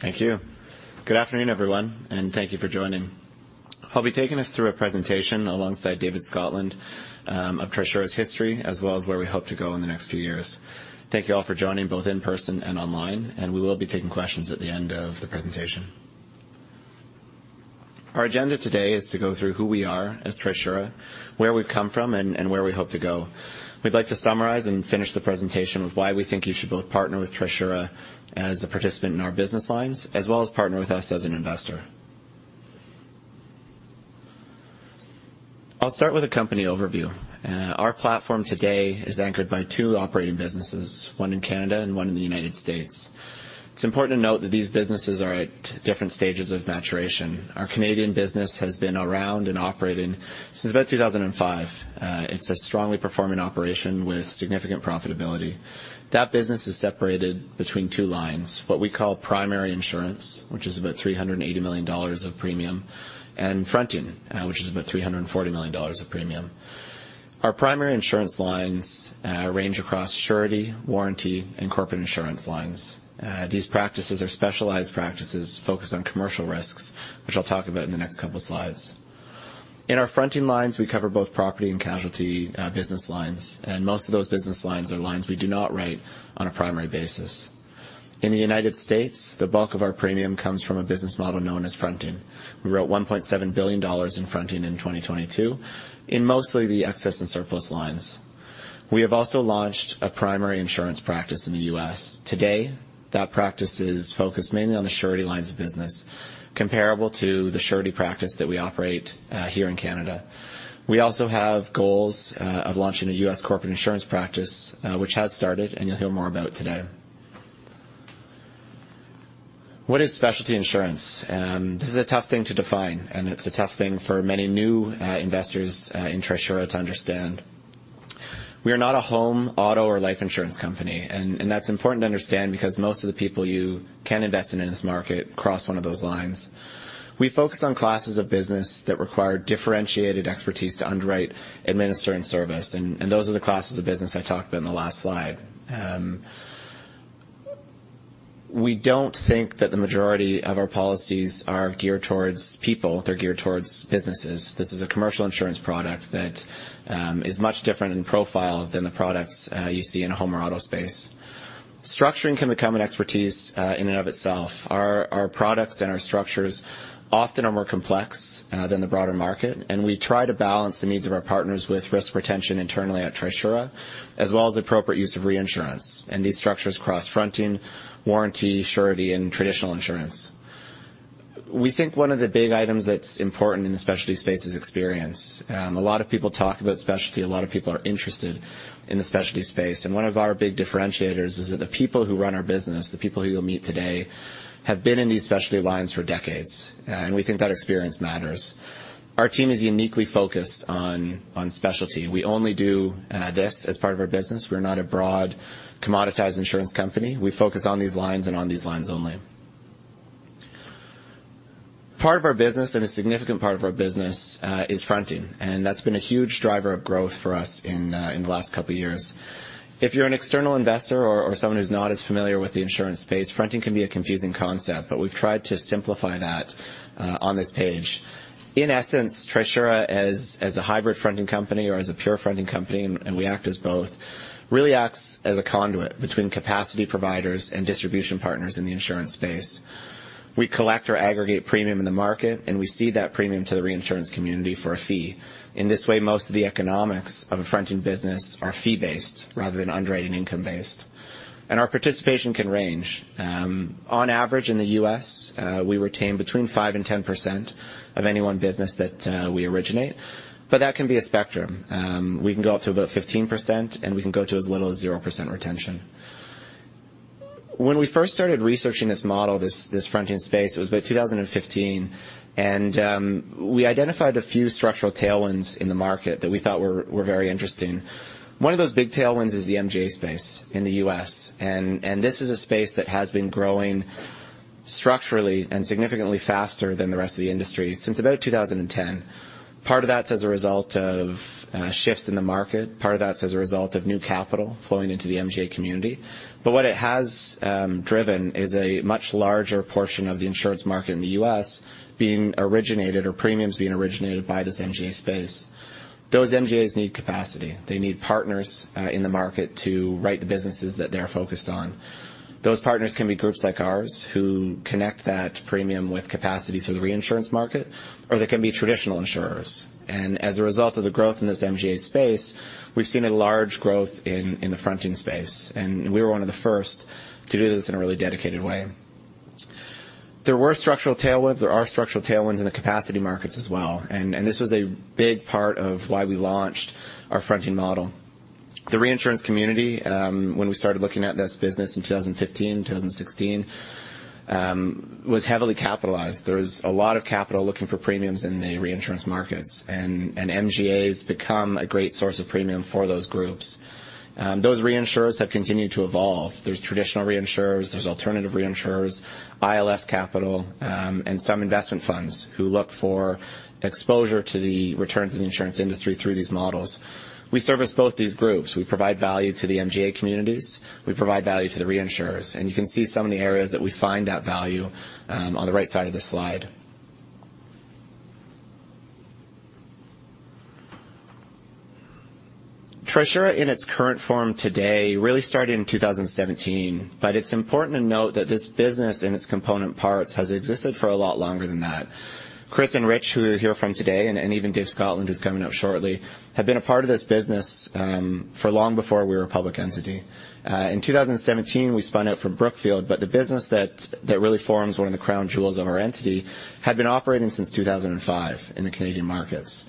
Thank you. Good afternoon, everyone, and thank you for joining. I'll be taking us through a presentation alongside David Scotland of Trisura's history, as well as where we hope to go in the next few years. Thank you all for joining, both in person and online. We will be taking questions at the end of the presentation. Our agenda today is to go through who we are as Trisura, where we've come from, and where we hope to go. We'd like to summarize and finish the presentation with why we think you should both partner with Trisura as a participant in our business lines, as well as partner with us as an investor. I'll start with a company overview. Our platform today is anchored by two operating businesses, one in Canada and one in the United States. It's important to note that these businesses are at different stages of maturation. Our Canadian business has been around and operating since about 2005. It's a strongly performing operation with significant profitability. That business is separated between two lines, what we call primary insurance, which is about 380 million dollars of premium, and fronting, which is about 340 million dollars of premium. Our primary insurance lines range across surety, warranty, and corporate insurance lines. These practices are specialized practices focused on commercial risks, which I'll talk about in the next couple of slides. In our fronting lines, we cover both property and casualty business lines, and most of those business lines are lines we do not write on a primary basis. In the United States, the bulk of our premium comes from a business model known as fronting. We wrote $1.7 billion in fronting in 2022, in mostly the excess and surplus lines. We have also launched a primary insurance practice in the U.S. Today, that practice is focused mainly on the surety lines of business, comparable to the surety practice that we operate, here in Canada. We also have goals of launching a U.S. corporate insurance practice, which has started, and you'll hear more about today. What is specialty insurance? This is a tough thing to define, and it's a tough thing for many new investors in Trisura to understand. We are not a home, auto, or life insurance company, and that's important to understand because most of the people you can invest in in this market cross one of those lines. We focus on classes of business that require differentiated expertise to underwrite, administer, and service, and those are the classes of business I talked about in the last slide. We don't think that the majority of our policies are geared towards people, they're geared towards businesses. This is a commercial insurance product that is much different in profile than the products you see in a home or auto space. Structuring can become an expertise in and of itself. Our products and our structures often are more complex than the broader market. We try to balance the needs of our partners with risk retention internally at Trisura, as well as the appropriate use of reinsurance. These structures cross fronting, warranty, surety, and traditional insurance. We think one of the big items that's important in the specialty space is experience. A lot of people talk about specialty, a lot of people are interested in the specialty space. One of our big differentiators is that the people who run our business, the people who you'll meet today, have been in these specialty lines for decades, and we think that experience matters. Our team is uniquely focused on specialty. We only do this as part of our business. We're not a broad, commoditized insurance company. We focus on these lines and on these lines only. Part of our business, a significant part of our business, is fronting, that's been a huge driver of growth for us in the last couple of years. If you're an external investor or someone who's not as familiar with the insurance space, fronting can be a confusing concept, we've tried to simplify that on this page. In essence, Trisura, as a hybrid fronting company or as a pure fronting company, we act as both, really acts as a conduit between capacity providers and distribution partners in the insurance space. We collect or aggregate premium in the market, we cede that premium to the reinsurance community for a fee. In this way, most of the economics of a fronting business are fee-based rather than underwriting income-based. Our participation can range. On average, in the U.S., we retain between 5% and 10% of any one business that we originate, but that can be a spectrum. We can go up to about 15%, and we can go to as little as 0% retention. When we first started researching this model, this fronting space, it was about 2015, and we identified a few structural tailwinds in the market that we thought were very interesting. One of those big tailwinds is the MGA space in the U.S. This is a space that has been growing structurally and significantly faster than the rest of the industry since about 2010. Part of that's as a result of shifts in the market. Part of that's as a result of new capital flowing into the MGA community. What it has driven is a much larger portion of the insurance market in the U.S. being originated or premiums being originated by this MGA space. Those MGAs need capacity. They need partners in the market to write the businesses that they're focused on. Those partners can be groups like ours, who connect that premium with capacity to the reinsurance market, or they can be traditional insurers. As a result of the growth in this MGA space, we've seen a large growth in the fronting space, and we were one of the first to do this in a really dedicated way. There were structural tailwinds, there are structural tailwinds in the capacity markets as well, and this was a big part of why we launched our fronting model. The reinsurance community, when we started looking at this business in 2015, 2016, was heavily capitalized. There was a lot of capital looking for premiums in the reinsurance markets, and MGAs become a great source of premium for those groups. Those reinsurers have continued to evolve. There's traditional reinsurers, there's alternative reinsurers, ILS capital, and some investment funds who look for exposure to the returns in the insurance industry through these models. We service both these groups. We provide value to the MGA communities. We provide value to the reinsurers, and you can see some of the areas that we find that value on the right side of this slide. Trisura in its current form today really started in 2017, It's important to note that this business and its component parts has existed for a lot longer than that. Chris and Rich, who are here from today, and even Dave Scotland, who's coming up shortly, have been a part of this business for long before we were a public entity. In 2017, we spun out from Brookfield, the business that really forms one of the crown jewels of our entity had been operating since 2005 in the Canadian markets.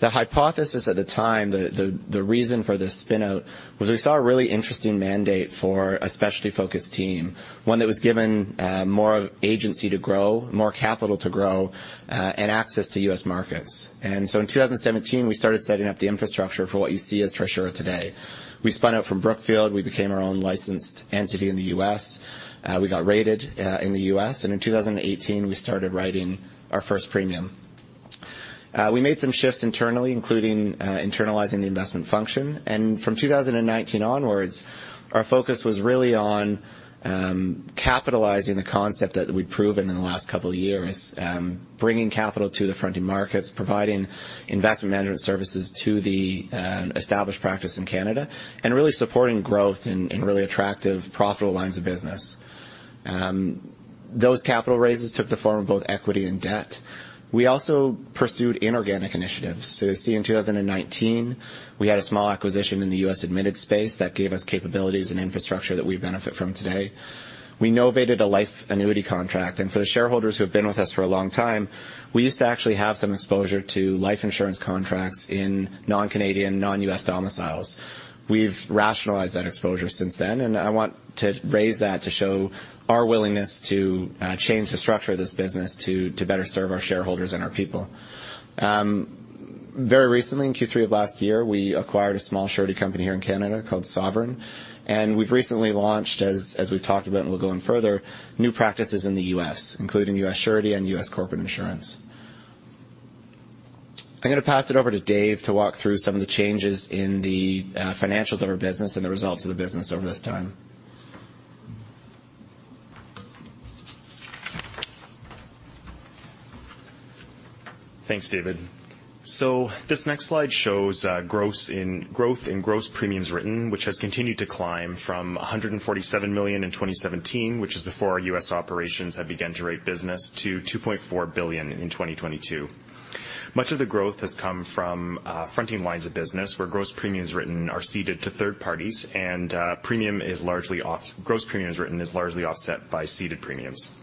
The hypothesis at the time, the reason for this spin out, was we saw a really interesting mandate for a specialty-focused team, one that was given more agency to grow, more capital to grow, and access to U.S. markets. In 2017, we started setting up the infrastructure for what you see as Trisura today. We spun out from Brookfield. We became our own licensed entity in the U.S. We got rated in the U.S. In 2018, we started writing our first premium. We made some shifts internally, including internalizing the investment function. From 2019 onwards, our focus was really on capitalizing the concept that we'd proven in the last couple of years, bringing capital to the fronting markets, providing investment management services to the established practice in Canada, and really supporting growth in really attractive, profitable lines of business. Those capital raises took the form of both equity and debt. We also pursued inorganic initiatives. You see, in 2019, we had a small acquisition in the U.S. admitted space that gave us capabilities and infrastructure that we benefit from today. We novated a life annuity contract, and for the shareholders who have been with us for a long time, we used to actually have some exposure to life insurance contracts in non-Canadian, non-U.S. domiciles. We've rationalized that exposure since then, and I want to raise that to show our willingness to change the structure of this business to better serve our shareholders and our people. Very recently, in Q3 of last year, we acquired a small surety company here in Canada called Sovereign, and we've recently launched, as we've talked about, and we'll go in further, new practices in the U.S., including U.S. Surety and U.S. Corporate Insurance. I'm going to pass it over to Dave to walk through some of the changes in the financials of our business and the results of the business over this time. Thanks, David. This next slide shows growth in gross premiums written, which has continued to climb from $147 million in 2017, which is before our U.S. operations had begun to rate business, to $2.4 billion in 2022. Much of the growth has come from fronting lines of business, where gross premiums written are ceded to third parties, and gross premiums written is largely offset by ceded premiums.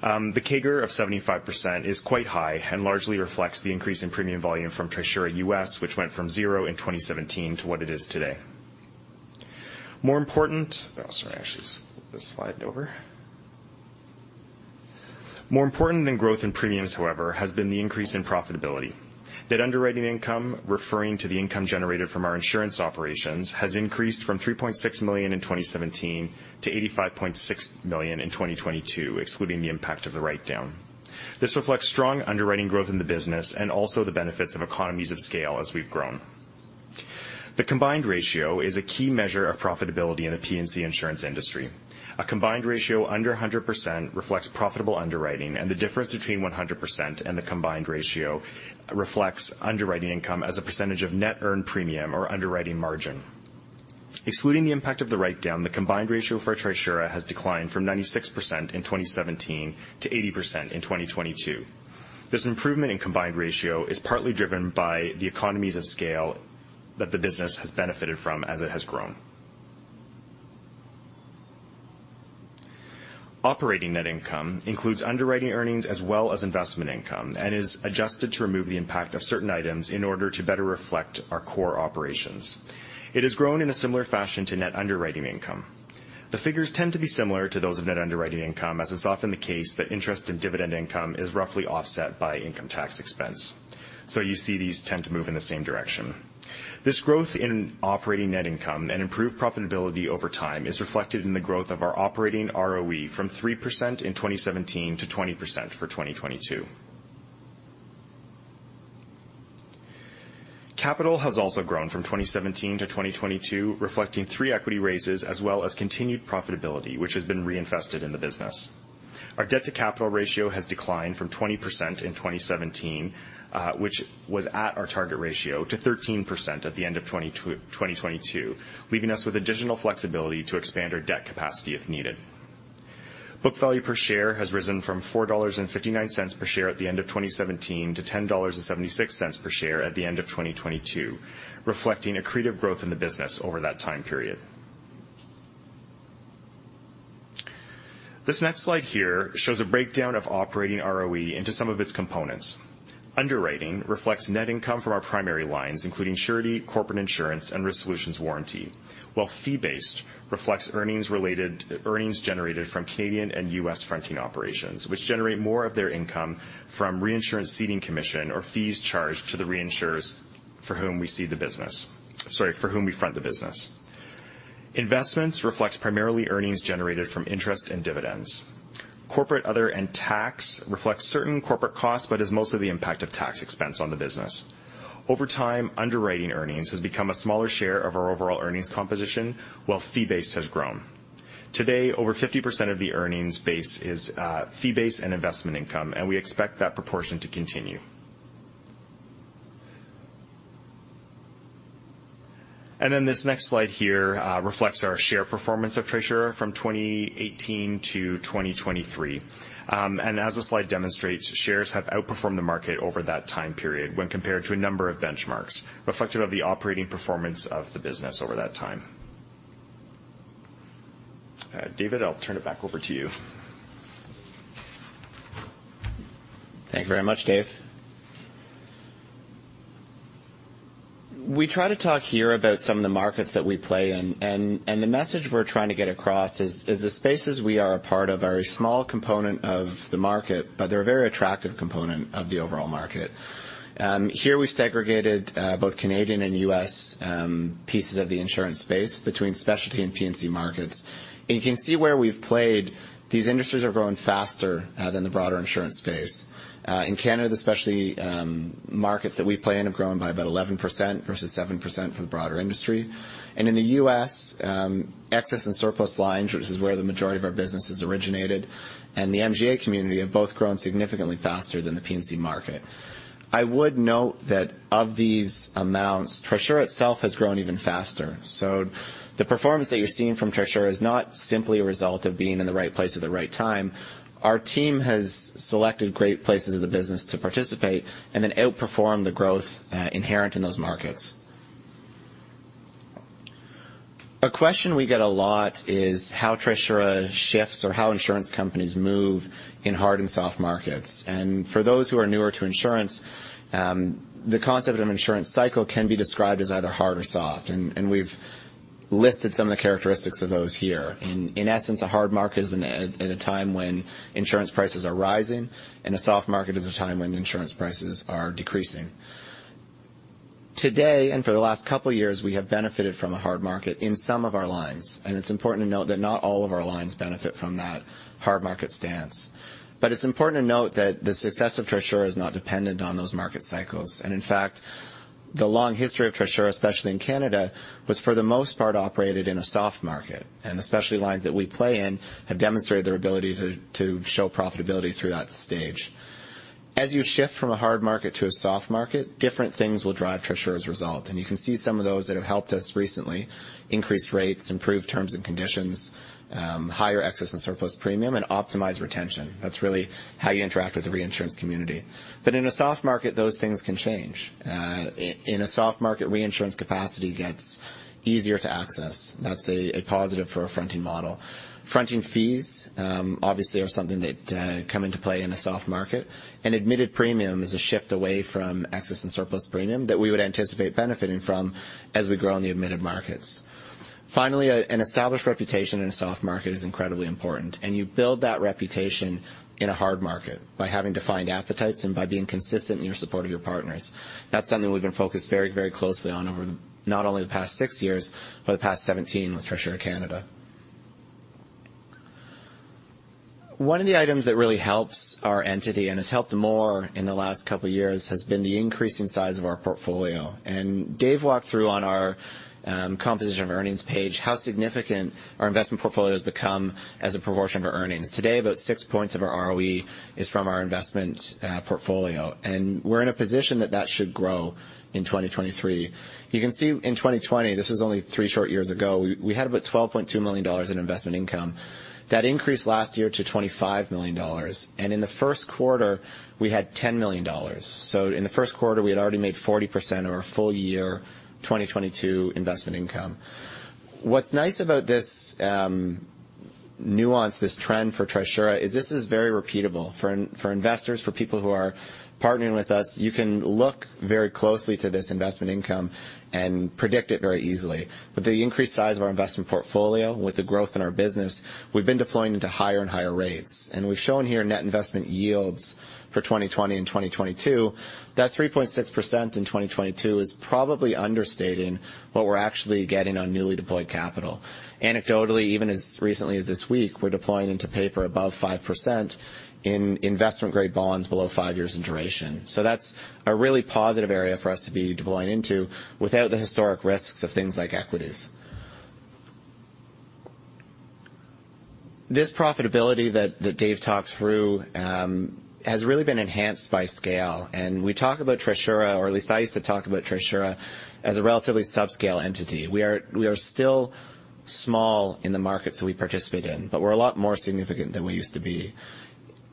The CAGR of 75% is quite high and largely reflects the increase in premium volume from Trisura U.S., which went from zero in 2017 to what it is today. More important than growth in premiums, however, has been the increase in profitability. Net underwriting income, referring to the income generated from our insurance operations, has increased from 3.6 million in 2017 to 85.6 million in 2022, excluding the impact of the write-down. This reflects strong underwriting growth in the business and also the benefits of economies of scale as we've grown. The combined ratio is a key measure of profitability in the P&C insurance industry. A combined ratio under 100% reflects profitable underwriting, and the difference between 100% and the combined ratio reflects underwriting income as a percentage of net earned premium or underwriting margin. Excluding the impact of the write-down, the combined ratio for Trisura has declined from 96% in 2017 to 80% in 2022. This improvement in combined ratio is partly driven by the economies of scale that the business has benefited from as it has grown. Operating net income includes underwriting earnings as well as investment income and is adjusted to remove the impact of certain items in order to better reflect our core operations. It has grown in a similar fashion to net underwriting income. The figures tend to be similar to those of net underwriting income, as is often the case, that interest in dividend income is roughly offset by income tax expense. You see these tend to move in the same direction. This growth in operating net income and improved profitability over time is reflected in the growth of our operating ROE from 3% in 2017 to 20% for 2022. Capital has also grown from 2017 to 2022, reflecting three equity raises as well as continued profitability, which has been reinvested in the business. Our debt-to-capital ratio has declined from 20% in 2017, which was at our target ratio, to 13% at the end of 2022, leaving us with additional flexibility to expand our debt capacity if needed. Book value per share has risen from CAD 4.59 per share at the end of 2017 to CAD 10.76 per share at the end of 2022, reflecting accretive growth in the business over that time period. This next slide here shows a breakdown of operating ROE into some of its components. Underwriting reflects net income from our primary lines, including surety, corporate insurance, and Risk Solutions Warranty. While fee-based reflects earnings generated from Canadian and U.S. fronting operations, which generate more of their income from reinsurance ceding commission or fees charged to the reinsurers for whom we cede the business. Sorry, for whom we front the business. Investments reflects primarily earnings generated from interest and dividends. Corporate, other, and tax reflects certain corporate costs, but is mostly the impact of tax expense on the business. Over time, underwriting earnings has become a smaller share of our overall earnings composition, while fee-based has grown. Today, over 50% of the earnings base is fee-based and investment income, and we expect that proportion to continue. Then this next slide here reflects our share performance at Trisura from 2018 to 2023. As the slide demonstrates, shares have outperformed the market over that time period when compared to a number of benchmarks, reflective of the operating performance of the business over that time. David, I'll turn it back over to you. Thank you very much, Dave. We try to talk here about some of the markets that we play in, and the message we're trying to get across is the spaces we are a part of are a small component of the market, but they're a very attractive component of the overall market. Here we segregated both Canadian and U.S. pieces of the insurance space between specialty and P&C markets. You can see where we've played, these industries are growing faster than the broader insurance space. In Canada, the specialty markets that we play in have grown by about 11% versus 7% for the broader industry. In the U.S., excess and surplus lines, which is where the majority of our business is originated, and the MGA community have both grown significantly faster than the P&C market. I would note that of these amounts, Trisura itself has grown even faster. The performance that you're seeing from Trisura is not simply a result of being in the right place at the right time. Our team has selected great places in the business to participate and then outperformed the growth inherent in those markets. A question we get a lot is how Trisura shifts or how insurance companies move in hard and soft markets. For those who are newer to insurance, the concept of an insurance cycle can be described as either hard or soft, we've listed some of the characteristics of those here. In essence, a hard market is at a time when insurance prices are rising. A soft market is a time when insurance prices are decreasing. Today, for the last two years, we have benefited from a hard market in some of our lines. It's important to note that not all of our lines benefit from that hard market stance. It's important to note that the success of Trisura is not dependent on those market cycles. In fact, the long history of Trisura, especially in Canada, was for the most part, operated in a soft market, and the specialty lines that we play in have demonstrated their ability to show profitability through that stage. As you shift from a hard market to a soft market, different things will drive Trisura's result, and you can see some of those that have helped us recently: increased rates, improved terms and conditions, higher excess and surplus premium. Optimized retention. That's really how you interact with the reinsurance community. In a soft market, those things can change. In a soft market, reinsurance capacity gets easier to access. That's a positive for a fronting model. Fronting fees, obviously, are something that come into play in a soft market. An admitted premium is a shift away from excess and surplus premium that we would anticipate benefiting from as we grow in the admitted markets. Finally, an established reputation in a soft market is incredibly important. You build that reputation in a hard market by having defined appetites and by being consistent in your support of your partners. That's something we've been focused very closely on over not only the past six years, but the past 17 with Trisura Canada. One of the items that really helps our entity, and has helped more in the last couple of years, has been the increasing size of our portfolio. Dave walked through on our composition of earnings page, how significant our investment portfolio has become as a proportion of our earnings. Today, about six points of our ROE is from our investment portfolio, and we're in a position that that should grow in 2023. You can see in 2020, this was only three short years ago, we had about 12.2 million dollars in investment income. That increased last year to 25 million dollars, and in the first quarter, we had 10 million dollars. In the first quarter, we had already made 40% of our full year 2022 investment income. What's nice about this nuance, this trend for Trisura, is this is very repeatable. For investors, for people who are partnering with us, you can look very closely to this investment income and predict it very easily. With the increased size of our investment portfolio, with the growth in our business, we've been deploying into higher and higher rates, we've shown here net investment yields for 2020 and 2022, that 3.6% in 2022 is probably understating what we're actually getting on newly deployed capital. Anecdotally, even as recently as this week, we're deploying into paper above 5% in investment-grade bonds below 5 years in duration. That's a really positive area for us to be deploying into without the historic risks of things like equities. This profitability that Dave talked through has really been enhanced by scale. We talk about Trisura, or at least I used to talk about Trisura, as a relatively subscale entity. We are still small in the markets that we participate in, but we're a lot more significant than we used to be.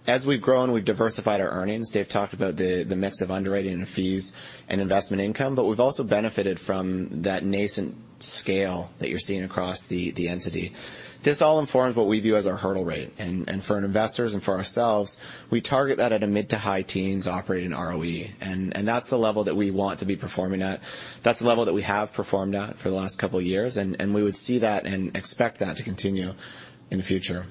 As we've grown, we've diversified our earnings. Dave talked about the mix of underwriting and fees and investment income, but we've also benefited from that nascent scale that you're seeing across the entity. This all informs what we view as our hurdle rate, and for investors and for ourselves, we target that at a mid to high teens operating ROE, and that's the level that we want to be performing at. That's the level that we have performed at for the last couple of years, and we would see that and expect that to continue in the future.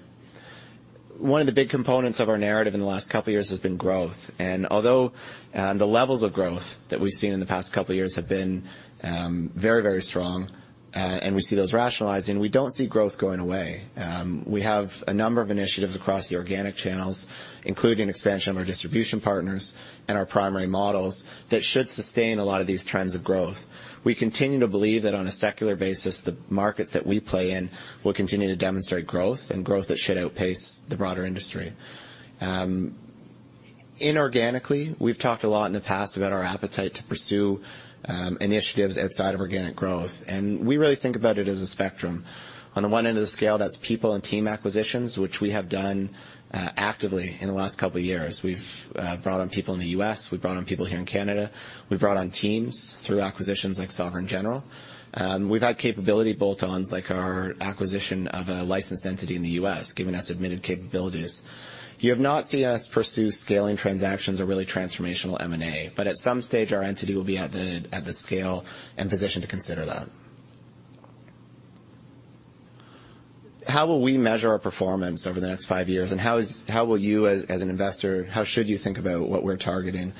One of the big components of our narrative in the last couple of years has been growth. Although, the levels of growth that we've seen in the past couple of years have been very, very strong, and we see those rationalizing, we don't see growth going away. We have a number of initiatives across the organic channels, including expansion of our distribution partners and our primary models, that should sustain a lot of these trends of growth. We continue to believe that on a secular basis, the markets that we play in will continue to demonstrate growth and growth that should outpace the broader industry. Inorganically, we've talked a lot in the past about our appetite to pursue initiatives outside of organic growth, and we really think about it as a spectrum. On the one end of the scale, that's people and team acquisitions, which we have done actively in the last couple of years. We've brought on people in the U.S., we've brought on people here in Canada. We've brought on teams through acquisitions like Sovereign General. We've had capability bolt-ons, like our acquisition of a licensed entity in the U.S., giving us admitted capabilities. You have not seen us pursue scaling transactions or really transformational M&A, but at some stage, our entity will be at the, at the scale and position to consider that. How will we measure our performance over the next five years, and how will you, as an investor, how should you think about what we're targeting?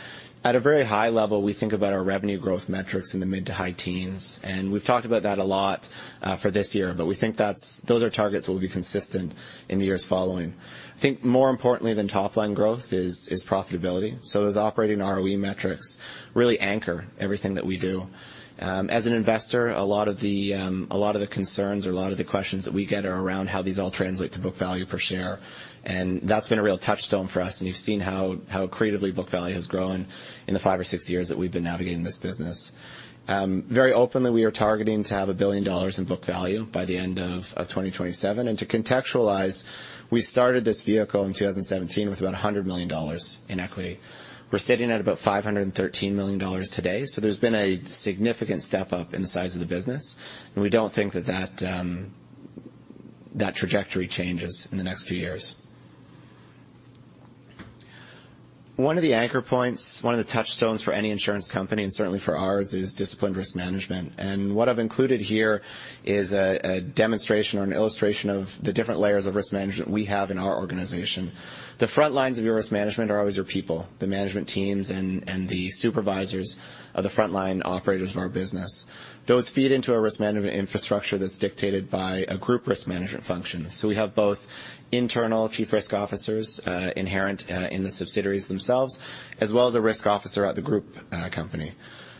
At a very high level, we think about our revenue growth metrics in the mid-to-high teens. We've talked about that a lot for this year. We think those are targets that will be consistent in the years following. I think more importantly than top line growth is profitability. As operating ROE metrics really anchor everything that we do. As an investor, a lot of the concerns or a lot of the questions that we get are around how these all translate to book value per share. That's been a real touchstone for us. You've seen how creatively book value has grown in the five or six years that we've been navigating this business. Very openly, we are targeting to have 1 billion dollars in book value by the end of 2027. To contextualize, we started this vehicle in 2017 with about 100 million dollars in equity. We're sitting at about 513 million dollars today, so there's been a significant step up in the size of the business, and we don't think that trajectory changes in the next few years. One of the anchor points, one of the touchstones for any insurance company, and certainly for ours, is disciplined risk management. What I've included here is a demonstration or an illustration of the different layers of risk management we have in our organization. The front lines of your risk management are always your people, the management teams and the supervisors are the frontline operators of our business. Those feed into a risk management infrastructure that's dictated by a group risk management function. We have both internal chief risk officers, inherent in the subsidiaries themselves, as well as a risk officer at the group company.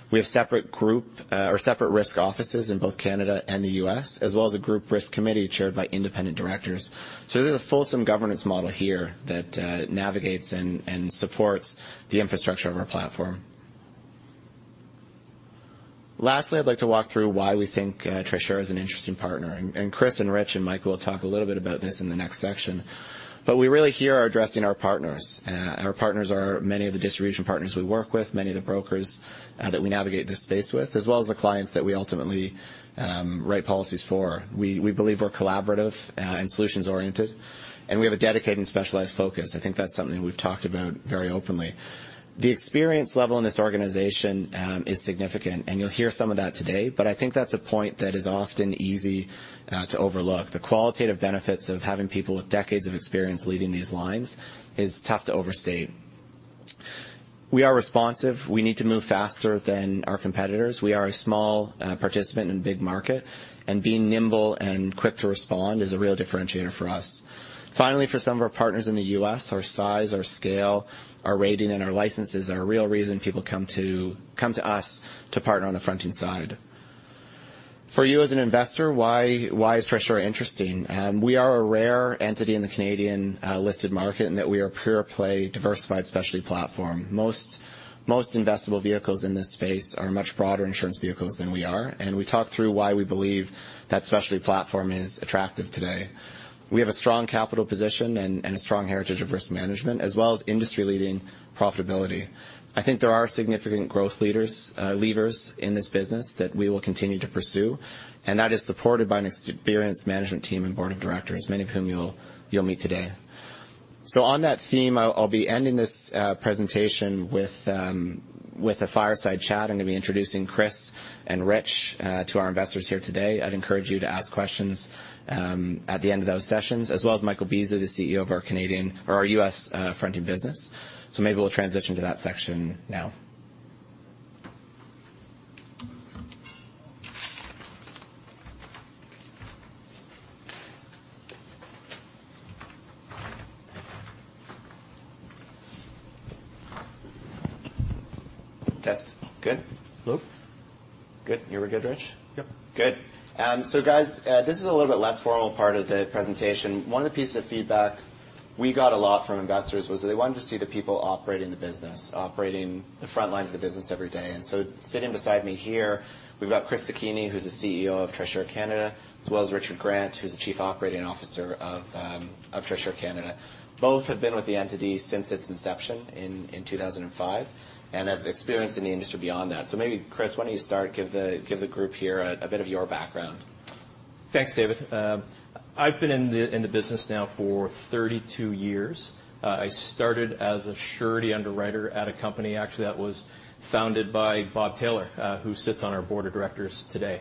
We have separate group or separate risk offices in both Canada and the U.S., as well as a group risk committee chaired by independent directors. There's a fulsome governance model here that navigates and supports the infrastructure of our platform. Lastly, I'd like to walk through why we think Trisura is an interesting partner, and Chris and Rich and Michael will talk a little bit about this in the next section. We really here are addressing our partners. Our partners are many of the distribution partners we work with, many of the brokers that we navigate this space with, as well as the clients that we ultimately write policies for. We believe we're collaborative and solutions-oriented, and we have a dedicated and specialized focus. I think that's something we've talked about very openly. The experience level in this organization is significant. You'll hear some of that today, but I think that's a point that is often easy to overlook. The qualitative benefits of having people with decades of experience leading these lines is tough to overstate. We are responsive. We need to move faster than our competitors. We are a small participant in a big market, and being nimble and quick to respond is a real differentiator for us. Finally, for some of our partners in the U.S., our size, our scale, our rating, and our licenses are a real reason people come to us to partner on the fronting side. For you as an investor, why is Trisura interesting? We are a rare entity in the Canadian listed market in that we are a pure play, diversified specialty platform. Most investable vehicles in this space are much broader insurance vehicles than we are, and we talked through why we believe that specialty platform is attractive today. We have a strong capital position and a strong heritage of risk management, as well as industry-leading profitability. I think there are significant growth leaders, levers in this business that we will continue to pursue, and that is supported by an experienced management team and board of directors, many of whom you'll meet today. On that theme, I'll be ending this presentation with a fireside chat. I'm going to be introducing Chris and Rich to our investors here today. I'd encourage you to ask questions at the end of those sessions, as well as Michael Beasley, the CEO of our Canadian or our U.S. fronting business. Maybe we'll transition to that section now. Test. Good? Hello? Good. You were good, Rich? Yep. Good. Guys, this is a little bit less formal part of the presentation. One of the pieces of feedback we got a lot from investors was that they wanted to see the people operating the business, operating the front lines of the business every day. Sitting beside me here, we've got Chris Sekine, who's the CEO of Trisura Canada, as well as Richard Grant, who's the Chief Operating Officer of Trisura Canada. Both have been with the entity since its inception in 2005, and have experience in the industry beyond that. Maybe, Chris, why don't you start? Give the group here a bit of your background. Thanks, David. I've been in the business now for 32 years. I started as a surety underwriter at a company, actually, that was founded by Bob Taylor, who sits on our board of directors today.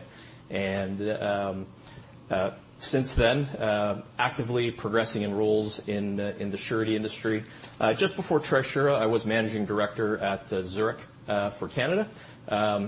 Since then, actively progressing in roles in the surety industry. Just before Trisura, I was Managing Director at Zurich for Canada.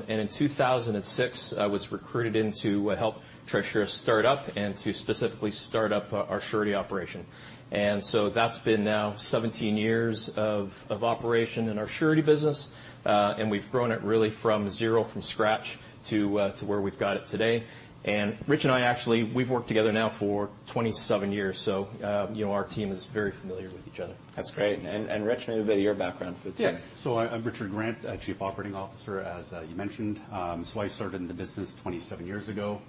In 2006, I was recruited in to help Trisura start up and to specifically start up our surety operation. That's been now 17 years of operation in our surety business, and we've grown it really from zero, from scratch, to where we've got it today. Richard Grant and I, actually, we've worked together now for 27 years, so, you know, our team is very familiar with each other. That's great. Rich, maybe a bit of your background for the team. I'm Richard Grant, chief operating officer, as you mentioned. I started in the business 27 years ago,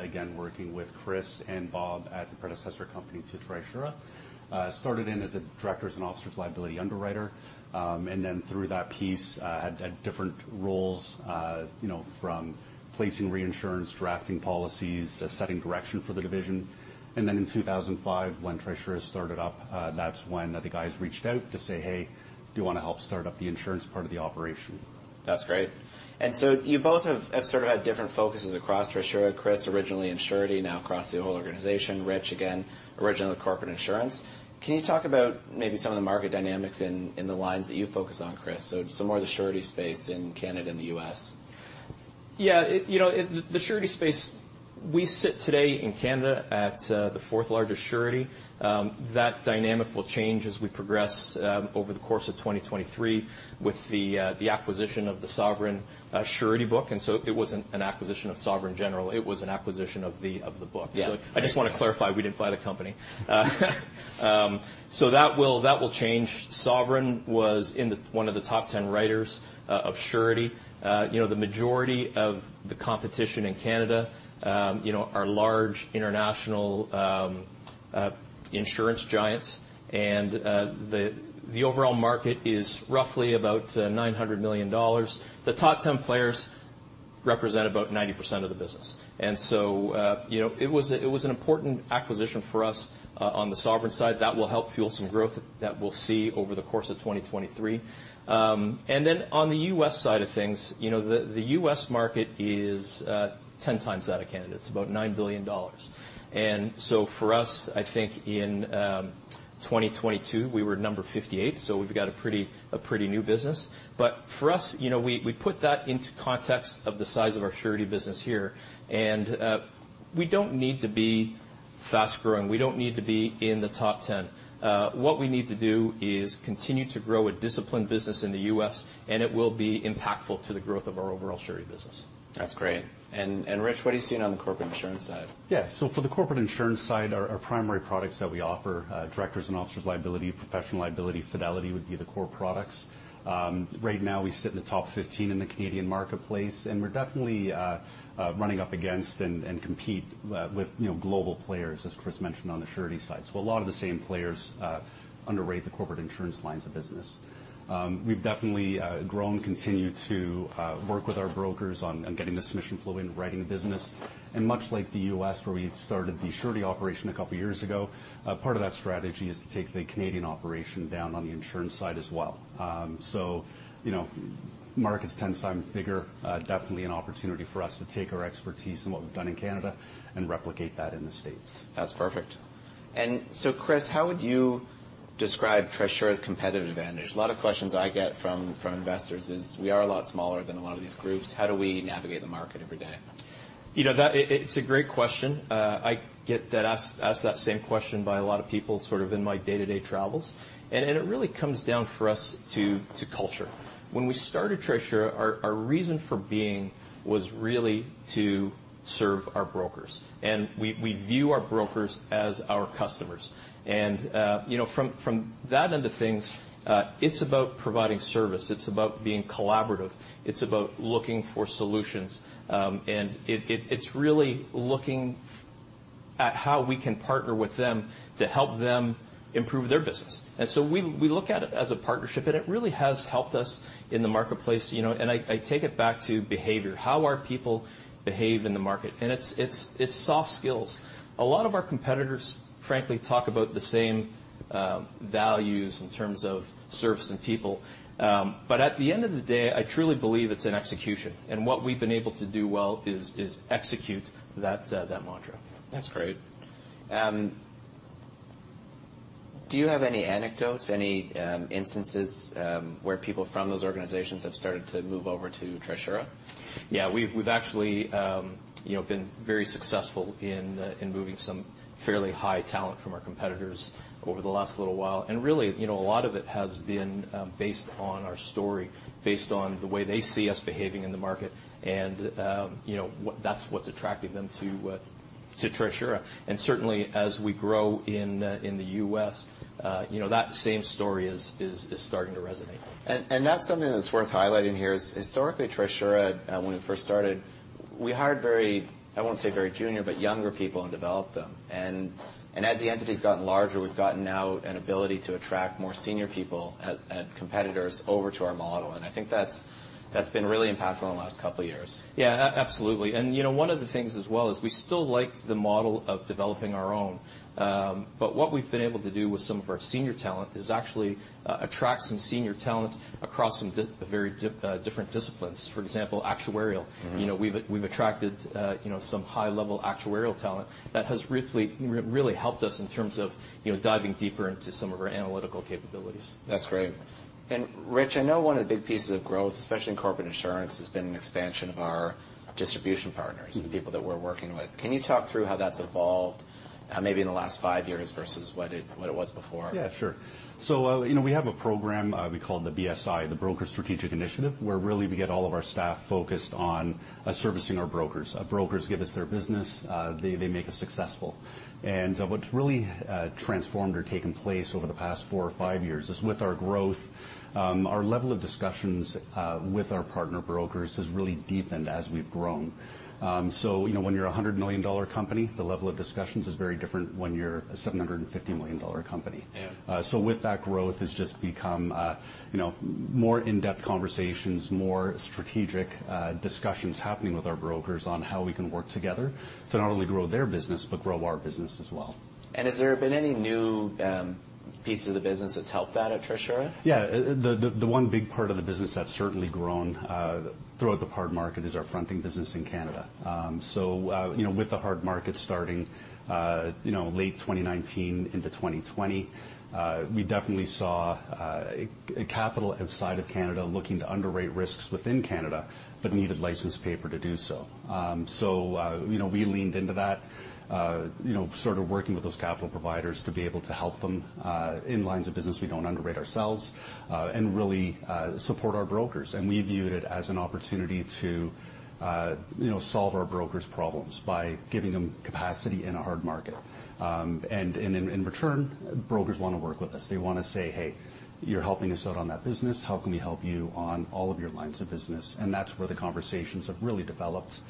again, working with Chris and Bob at the predecessor company to Trisura. Started in as a directors and officers liability underwriter, then through that piece, had different roles, you know, from placing reinsurance, drafting policies, setting direction for the division. In 2005, when Trisura started up, that's when the guys reached out to say: "Hey, do you want to help start up the insurance part of the operation? That's great. You both have sort of had different focuses across Trisura. Chris, originally in surety, now across the whole organization. Rich, again, originally corporate insurance. Can you talk about maybe some of the market dynamics in the lines that you focus on, Chris? Some more of the surety space in Canada and the U.S. Yeah, you know, the surety space, we sit today in Canada at the fourth largest surety. That dynamic will change as we progress over the course of 2023 with the acquisition of the Sovereign Surety book. It wasn't an acquisition of Sovereign General, it was an acquisition of the book. Yeah. We didn't buy the company. That will change. Sovereign was one of the top 10 writers of surety. You know, the majority of the competition in Canada, you know, are large international insurance giants, the overall market is roughly about 900 million dollars. The top 10 players represent about 90% of the business. You know, it was an important acquisition for us on the Sovereign side. That will help fuel some growth that we'll see over the course of 2023. On the U.S. side of things, you know, the U.S. market is 10 times that of Canada's. It's about $9 billion. For us, I think in 2022, we were number 58, so we've got a pretty new business. For us, you know, we put that into context of the size of our surety business here, we don't need to be fast growing. We don't need to be in the top 10. What we need to do is continue to grow a disciplined business in the U.S., and it will be impactful to the growth of our overall surety business. That's great. Rich, what are you seeing on the corporate insurance side? Yeah. For the corporate insurance side, our primary products that we offer, directors and officers liability, professional liability, fidelity would be the core products. Right now, we sit in the top 15 in the Canadian marketplace, and we're definitely running up against and compete with, you know, global players, as Chris mentioned, on the surety side. A lot of the same players underwrite the corporate insurance lines of business. We've definitely grown, continued to work with our brokers on getting this mission flowing, writing the business. Much like the U.S., where we started the surety operation a couple of years ago, part of that strategy is to take the Canadian operation down on the insurance side as well. You know, market's 10x bigger, definitely an opportunity for us to take our expertise and what we've done in Canada and replicate that in the States. That's perfect. Chris, how would you describe Trisura's competitive advantage? A lot of questions I get from investors is, we are a lot smaller than a lot of these groups, how do we navigate the market every day? You know, that. It's a great question. I get that asked that same question by a lot of people, sort of in my day-to-day travels, and it really comes down for us to culture. When we started Trisura, our reason for being was really to serve our brokers, and we view our brokers as our customers. You know, from that end of things, it's about providing service, it's about being collaborative, it's about looking for solutions. It's really looking at how we can partner with them to help them improve their business. We look at it as a partnership, and it really has helped us in the marketplace, you know. I take it back to behavior, how our people behave in the market, and it's soft skills. A lot of our competitors, frankly, talk about the same values in terms of service and people. At the end of the day, I truly believe it's in execution, and what we've been able to do well is execute that mantra. That's great. Do you have any anecdotes, any instances, where people from those organizations have started to move over to Trisura? Yeah, we've actually, you know, been very successful in moving some fairly high talent from our competitors over the last little while. Really, you know, a lot of it has been based on our story, based on the way they see us behaving in the market, and, you know, what... That's what's attracting them to Trisura. Certainly, as we grow in the U.S., you know, that same story is starting to resonate. That's something that's worth highlighting here, is historically, Trisura, when it first started, we hired very, I won't say very junior, but younger people, and developed them. As the entity's gotten larger, we've gotten now an ability to attract more senior people at competitors over to our model, and I think that's been really impactful in the last couple of years. Yeah, absolutely. You know, one of the things as well is we still like the model of developing our own. What we've been able to do with some of our senior talent is actually attract some senior talent across some very different disciplines. For example, actuarial. Mm-hmm. You know, we've attracted, you know, some high-level actuarial talent that has really helped us in terms of, you know, diving deeper into some of our analytical capabilities. That's great. Rich, I know one of the big pieces of growth, especially in corporate insurance, has been an expansion of our distribution partners- Mm. the people that we're working with. Can you talk through how that's evolved, maybe in the last five years versus what it was before? Yeah, sure. you know, we have a program, we call the BSI, the Broker Strategic Initiative, where really, we get all of our staff focused on servicing our brokers. Brokers give us their business, they make us successful. What's really transformed or taken place over the past four or five years is, with our growth, our level of discussions with our partner brokers has really deepened as we've grown. you know, when you're a $100 million company, the level of discussions is very different than when you're a $750 million company. Yeah. With that growth, it's just become, you know, more in-depth conversations, more strategic discussions happening with our brokers on how we can work together to not only grow their business, but grow our business as well. Has there been any new pieces of the business that's helped that at Trisura? Yeah. The one big part of the business that's certainly grown throughout the hard market is our fronting business in Canada. You know, with the hard market starting, you know, late 2019 into 2020, we definitely saw capital outside of Canada looking to underwrite risks within Canada, but needed license paper to do so. You know, we leaned into that, you know, sort of working with those capital providers to be able to help them in lines of business we don't underwrite ourselves, and really support our brokers. We viewed it as an opportunity to, you know, solve our brokers' problems by giving them capacity in a hard market. In return, brokers wanna work with us. They wanna say: "Hey, you're helping us out on that business. How can we help you on all of your lines of business?" That's where the conversations have really developed,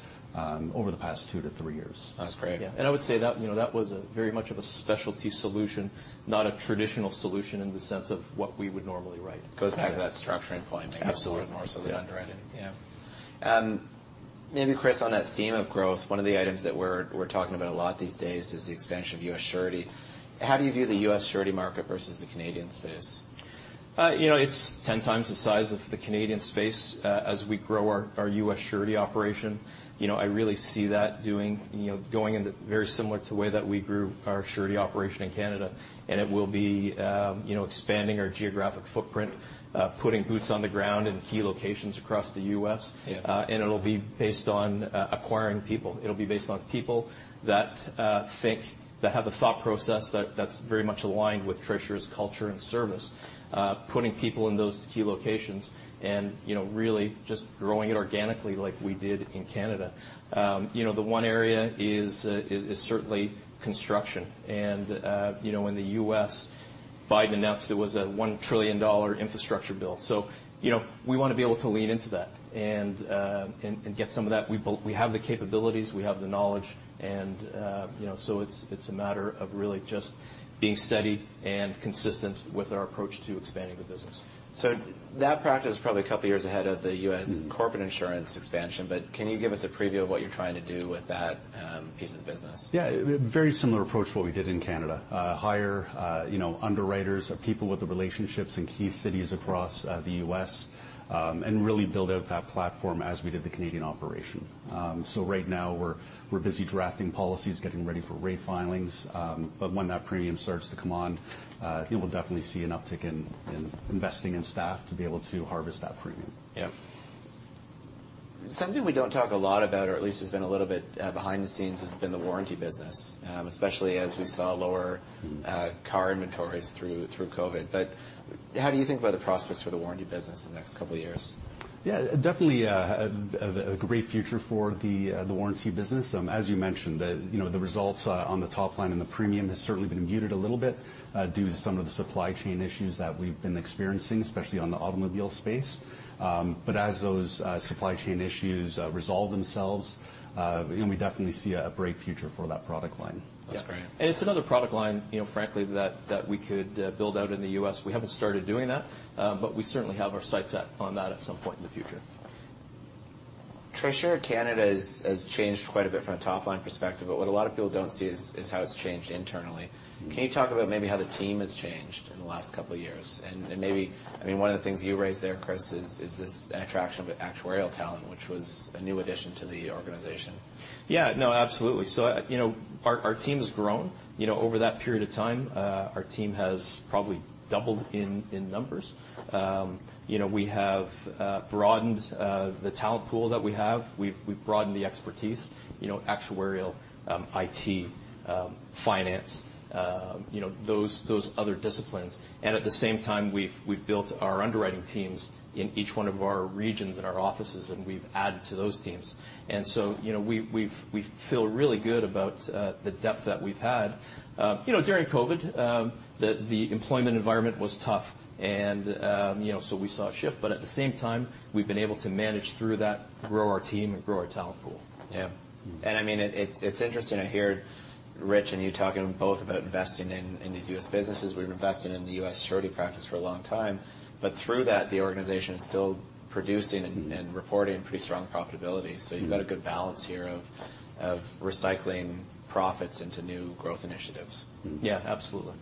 over the past two to three years. That's great. Yeah, I would say that, you know, that was a very much of a specialty solution, not a traditional solution in the sense of what we would normally write. Goes back to that structuring point. Absolutely maybe more so the underwriting. Yeah. Maybe, Chris, on that theme of growth, one of the items that we're talking about a lot these days is the expansion of U.S. Surety. How do you view the U.S. Surety market versus the Canadian space? You know, it's 10x the size of the Canadian space. As we grow our U.S. Surety operation, you know, I really see that going in the very similar to the way that we grew our Surety operation in Canada. It will be, you know, expanding our geographic footprint, putting boots on the ground in key locations across the US. Yeah. It'll be based on acquiring people. It'll be based on people that think, that have a thought process that's very much aligned with Trisura's culture and service. Putting people in those key locations, you know, really just growing it organically, like we did in Canada. You know, the one area is certainly construction. You know, in the U.S., Biden announced there was a $1 trillion infrastructure bill. You know, we wanna be able to lean into that and get some of that. We have the capabilities, we have the knowledge, you know, it's a matter of really just being steady and consistent with our approach to expanding the business. That practice is probably a couple of years ahead of the U.S. Mm Corporate insurance expansion, can you give us a preview of what you're trying to do with that, piece of business? A very similar approach to what we did in Canada. hire, you know, underwriters of people with the relationships in key cities across the U.S., and really build out that platform as we did the Canadian operation. Right now, we're busy drafting policies, getting ready for rate filings, when that premium starts to come on, you will definitely see an uptick in investing in staff to be able to harvest that premium. Yeah. Something we don't talk a lot about, or at least has been a little bit, behind the scenes, has been the warranty business, especially as we saw. Mm... car inventories through COVID. How do you think about the prospects for the warranty business in the next couple of years? Definitely, a great future for the warranty business. As you mentioned, the, you know, the results on the top line and the premium has certainly been muted a little bit due to some of the supply chain issues that we've been experiencing, especially on the automobile space. As those supply chain issues resolve themselves, you know, we definitely see a bright future for that product line. That's great. Yeah. It's another product line, you know, frankly, that we could build out in the U.S. We haven't started doing that, but we certainly have our sights set on that at some point in the future. Trisura Canada has changed quite a bit from a top-line perspective, but what a lot of people don't see is how it's changed internally. Mm. Can you talk about maybe how the team has changed in the last couple of years? I mean, one of the things you raised there, Chris, is this attraction of actuarial talent, which was a new addition to the organization. Yeah. No, absolutely. You know, our team has grown. You know, over that period of time, our team has probably doubled in numbers. You know, we have broadened the talent pool that we have. We've broadened the expertise, you know, actuarial, IT, finance, you know, those other disciplines. At the same time, we've built our underwriting teams in each one of our regions in our offices, and we've added to those teams. You know, we feel really good about the depth that we've had. You know, during COVID, the employment environment was tough, and, you know, so we saw a shift, but at the same time, we've been able to manage through that, grow our team, and grow our talent pool. Yeah. Mm. I mean, it's interesting to hear Rich and you talking both about investing in these U.S. businesses. We've invested in the U.S. surety practice for a long time, but through that, the organization is still producing. Mm-hmm. Reporting pretty strong profitability. Mm-hmm. You've got a good balance here of recycling profits into new growth initiatives. Mm-hmm. Yeah, absolutely.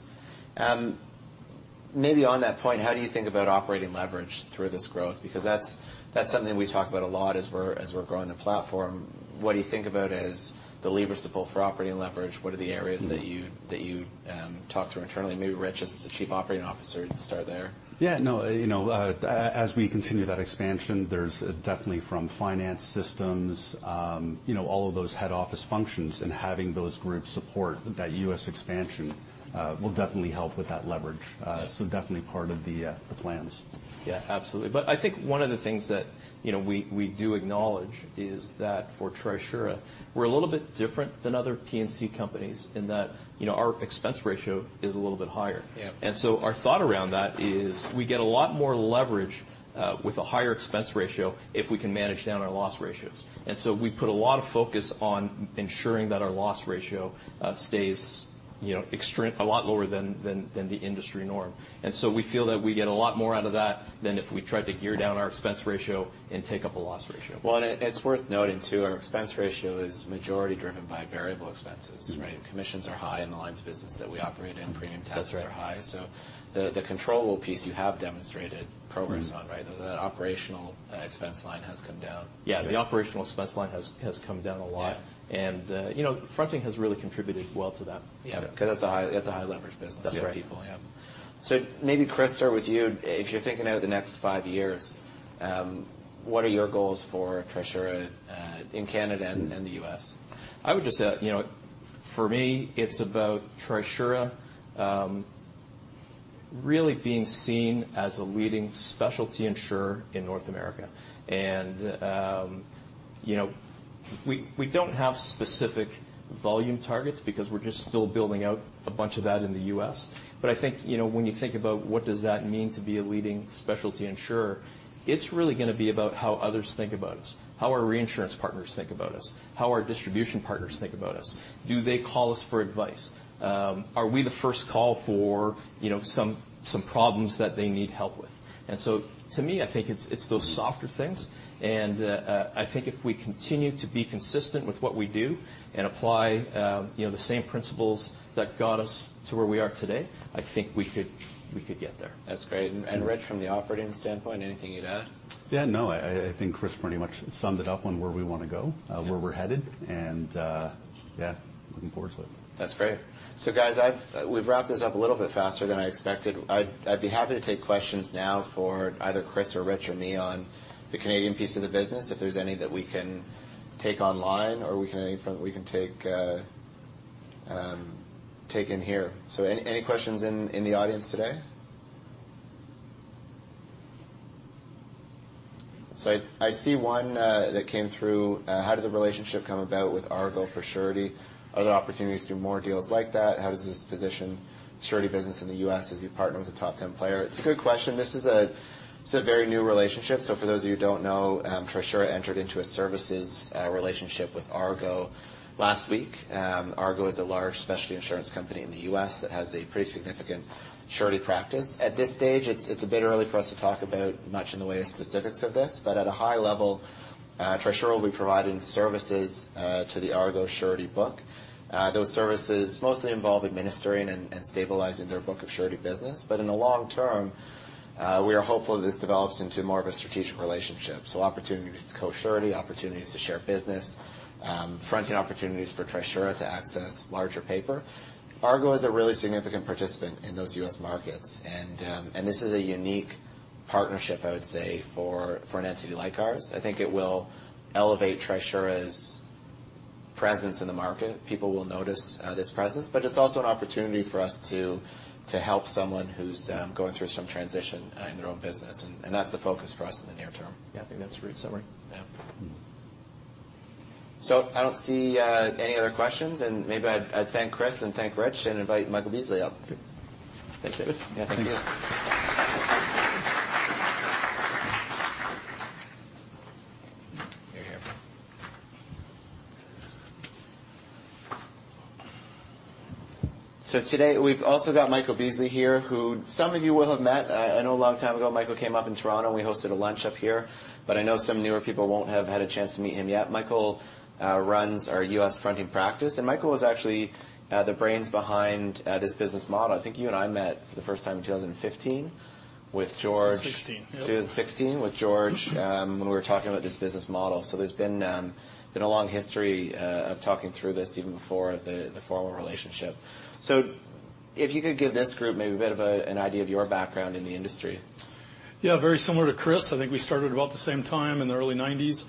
Maybe on that point, how do you think about operating leverage through this growth? Because that's something we talk about a lot as we're growing the platform. What do you think about as the levers to pull for operating leverage? What are the areas. Mm-hmm. that you'd talk through internally? Maybe Rich, as the Chief Operating Officer, you can start there. Yeah. No, you know, as we continue that expansion, there's definitely from finance systems, you know, all of those head office functions, and having those groups support that U.S. expansion, will definitely help with that leverage. Definitely part of the plans. Yeah, absolutely. I think one of the things that, you know, we do acknowledge is that for Trisura, we're a little bit different than other P&C companies in that, you know, our expense ratio is a little bit higher. Yeah. Our thought around that is we get a lot more leverage with a higher expense ratio if we can manage down our loss ratios. We put a lot of focus on ensuring that our loss ratio stays, you know, a lot lower than the industry norm. We feel that we get a lot more out of that than if we tried to gear down our expense ratio and take up a loss ratio. It's worth noting, too, our expense ratio is majority driven by variable expenses, right? Mm-hmm. Commissions are high in the lines of business that we operate in. Yeah. Premium tests are high. That's right. The controllable piece, you have demonstrated progress on, right? Mm-hmm. The operational, expense line has come down. The operational expense line has come down a lot. Yeah. You know, fronting has really contributed well to that. Yeah. Yeah. That's a high-leverage business. That's right. Yeah. maybe, Chris, start with you. If you're thinking out the next five years, what are your goals for Trisura, in Canada and, Mm-hmm... and the U.S.? I would just say, you know, for me, it's about Trisura, really being seen as a leading specialty insurer in North America. You know, we don't have specific volume targets because we're just still building out a bunch of that in the U.S. I think, you know, when you think about what does that mean to be a leading specialty insurer, it's really gonna be about how others think about us. How our reinsurance partners think about us, how our distribution partners think about us. Do they call us for advice? Are we the first call for, you know, some problems that they need help with? To me, I think it's those softer things. Mm-hmm. I think if we continue to be consistent with what we do and apply, you know, the same principles that got us to where we are today, I think we could get there. That's great. Mm-hmm. Rich, from the operating standpoint, anything you'd add? Yeah, no, I think Chris pretty much summed it up on where we wanna go- Yeah... where we're headed, and, yeah, looking forward to it. That's great. Guys, we've wrapped this up a little bit faster than I expected. I'd be happy to take questions now for either Chris or Rich or me on the Canadian piece of the business, if there's any that we can take online or we can take in here. Any questions in the audience today? I see one that came through: "How did the relationship come about with Argo for Surety? Are there opportunities to do more deals like that? How does this position Surety business in the U.S. as you partner with a top 10 player?" It's a good question. This is a very new relationship. For those of you who don't know, Trisura entered into a services relationship with Argo last week. Argo is a large specialty insurance company in the U.S. that has a pretty significant surety practice. At this stage, it's a bit early for us to talk about much in the way of specifics of this, but at a high level, Trisura will be providing services to the Argo surety book. Those services mostly involve administering and stabilizing their book of surety business, but in the long term, we are hopeful that this develops into more of a strategic relationship. Opportunities to co-surety, opportunities to share business, fronting opportunities for Trisura to access larger paper. Argo is a really significant participant in those U.S. markets, and this is a unique partnership, I would say, for an entity like ours. I think it will elevate Trisura's presence in the market. People will notice, this presence, but it's also an opportunity for us to help someone who's going through some transition in their own business, and that's the focus for us in the near term. Yeah, I think that's a great summary. Yeah. Mm-hmm. I don't see any other questions, and maybe I'd thank Chris and thank Rich and invite Michael Beasley up. Thanks, David. Yeah, thank you. Thanks. Here, here. Today we've also got Michael Beasley here, who some of you will have met. I know a long time ago, Michael came up in Toronto, and we hosted a lunch up here. I know some newer people won't have had a chance to meet him yet. Michael runs our U.S. fronting practice, and Michael was actually the brains behind this business model. I think you and I met for the first time in 2015 with George. 16. 2016, with George, when we were talking about this business model. There's been a long history of talking through this even before the formal relationship. If you could give this group maybe a bit of an idea of your background in the industry. Yeah, very similar to Chris. I think we started about the same time in the early 90s.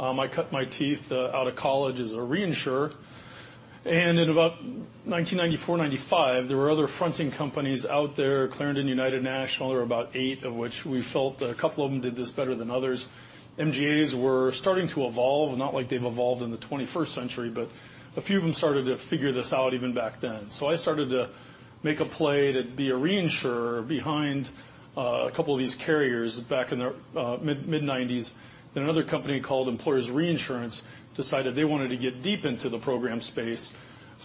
I cut my teeth out of college as a reinsurer. In about 1994, 1995, there were other fronting companies out there, Clarendon, United National. There were about eight, of which we felt a couple of them did this better than others. MGAs were starting to evolve, not like they've evolved in the 21st century, a few of them started to figure this out even back then. I started to make a play to be a reinsurer behind a couple of these carriers back in the mid-90s. Another company called Employers Reinsurance decided they wanted to get deep into the program space.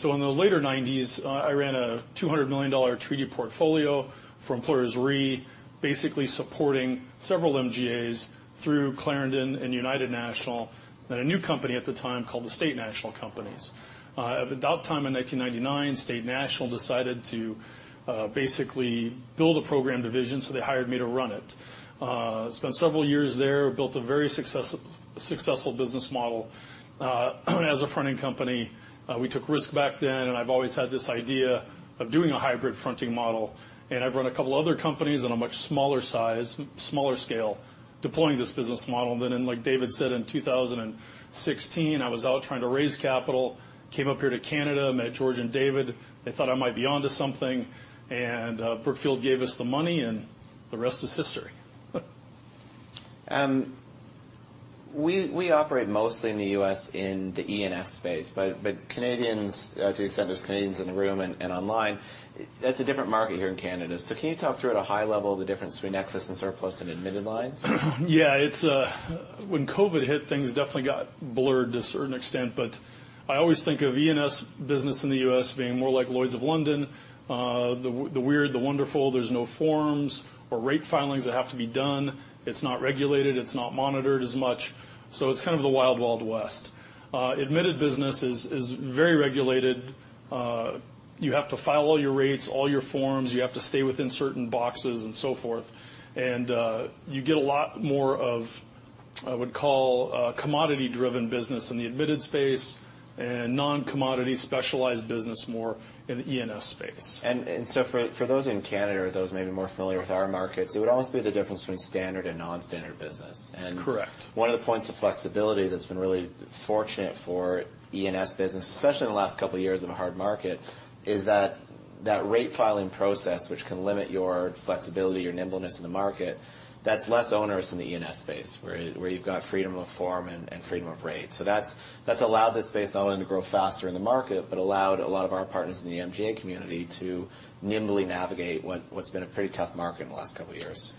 In the later 1990s, I ran a $200 million treaty portfolio for Employers Re, basically supporting several MGAs through Clarendon and United National, and a new company at the time called the State National Companies. At about time in 1999, State National decided to basically build a program division, they hired me to run it. Spent several years there, built a very successful business model as a fronting company. We took risk back then, I've always had this idea of doing a hybrid fronting model, I've run a couple other companies on a much smaller size, smaller scale, deploying this business model. In, like David said, in 2016, I was out trying to raise capital, came up here to Canada, met George and David. They thought I might be onto something, Brookfield gave us the money, and the rest is history. We operate mostly in the U.S.. in the E&S space, but Canadians, as you said, there's Canadians in the room and online, it's a different market here in Canada. Can you talk through at a high level the difference between excess and surplus and admitted lines? Yeah, it's. When COVID hit, things definitely got blurred to a certain extent, but I always think of E&S business in the U.S. being more like Lloyd's of London. The weird, the wonderful. There's no forms or rate filings that have to be done. It's not regulated. It's not monitored as much, so it's kind of the Wild Wild West. Admitted business is very regulated. You have to file all your rates, all your forms. You have to stay within certain boxes and so forth, and you get a lot more of, I would call, commodity-driven business in the admitted space and non-commodity specialized business more in the E&S space. For those in Canada or those maybe more familiar with our markets, it would almost be the difference between standard and non-standard business. Correct. one of the points of flexibility that's been really fortunate for E&S business, especially in the last couple of years of a hard market, is that that rate filing process, which can limit your flexibility, your nimbleness in the market, that's less onerous in the E&S space, where you've got freedom of form and freedom of rate. That's allowed this space not only to grow faster in the market, but allowed a lot of our partners in the MGA community to nimbly navigate what's been a pretty tough market in the last couple of years.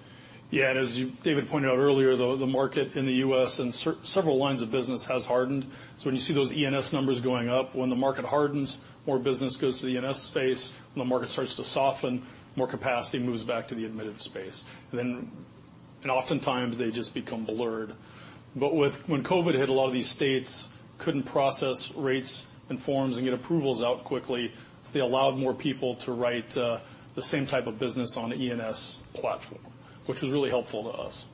Yeah, and as you, David pointed out earlier, though, the market in the U.S. and several lines of business has hardened. When you see those E&S numbers going up, when the market hardens, more business goes to the E&S space. When the market starts to soften, more capacity moves back to the admitted space. Oftentimes they just become blurred. When COVID hit, a lot of these states couldn't process rates and forms and get approvals out quickly, so they allowed more people to write the same type of business on an E&S platform, which was really helpful to us.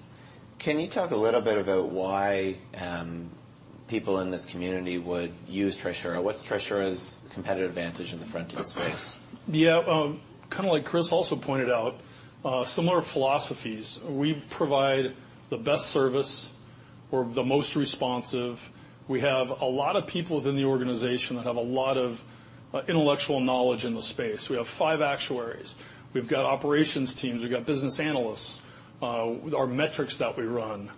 Can you talk a little bit about why, people in this community would use Trisura? What's Trisura's competitive advantage in the fronting space? Yeah, kind of like Chris also pointed out, similar philosophies. We provide the best service. We're the most responsive. We have a lot of people within the organization that have a lot of intellectual knowledge in the space. We have five actuaries. We've got operations teams. We've got business analysts, with our metrics that we run.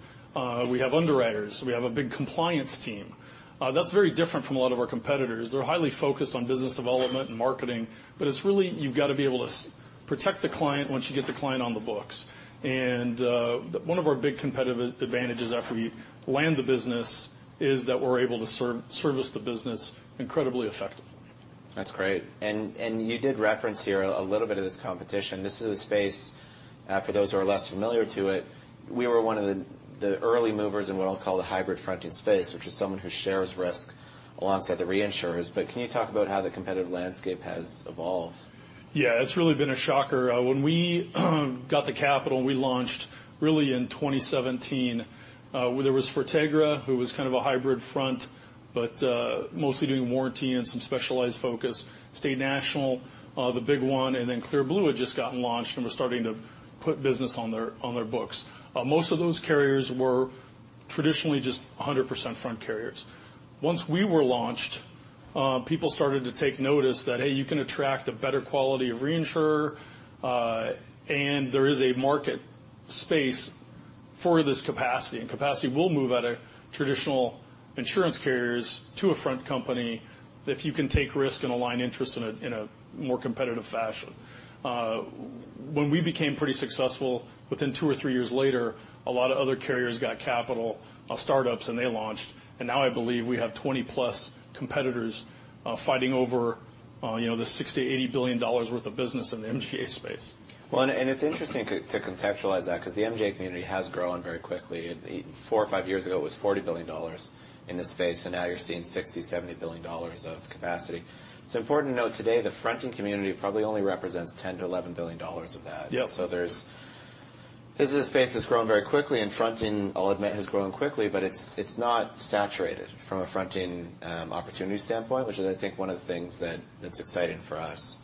We have underwriters. We have a big compliance team. That's very different from a lot of our competitors. They're highly focused on business development and marketing, but it's really. You've got to be able to protect the client once you get the client on the books. One of our big competitive advantages after we land the business is that we're able to service the business incredibly effectively. That's great. You did reference here a little bit of this competition. This is a space for those who are less familiar to it, we were one of the early movers in what I'll call the hybrid fronting space, which is someone who shares risk alongside the reinsurers. Can you talk about how the competitive landscape has evolved? It's really been a shocker. When we got the capital and we launched really in 2017, there was Fortegra, who was kind of a hybrid front, but mostly doing warranty and some specialized focus. State National, the big one, and then Clear Blue had just gotten launched and was starting to put business on their books. Most of those carriers were traditionally just 100% front carriers. Once we were launched, people started to take notice that, hey, you can attract a better quality of reinsurer, and there is a market space for this capacity. Capacity will move out of traditional insurance carriers to a front company if you can take risk and align interests in a more competitive fashion. When we became pretty successful, within two or three years later, a lot of other carriers got capital, startups, and they launched, and now I believe we have 20+ competitors, fighting over, you know, the $60 billion-$80 billion worth of business in the MGA space. It's interesting to contextualize that because the MGA community has grown very quickly. Four or five years ago, it was $40 billion in this space, now you're seeing $60 billion, $70 billion of capacity. It's important to note today, the fronting community probably only represents $10 billion-$11 billion of that. Yep. This is a space that's grown very quickly, and fronting, I'll admit, has grown quickly, but it's not saturated from a fronting opportunity standpoint, which is, I think, one of the things that's exciting for us.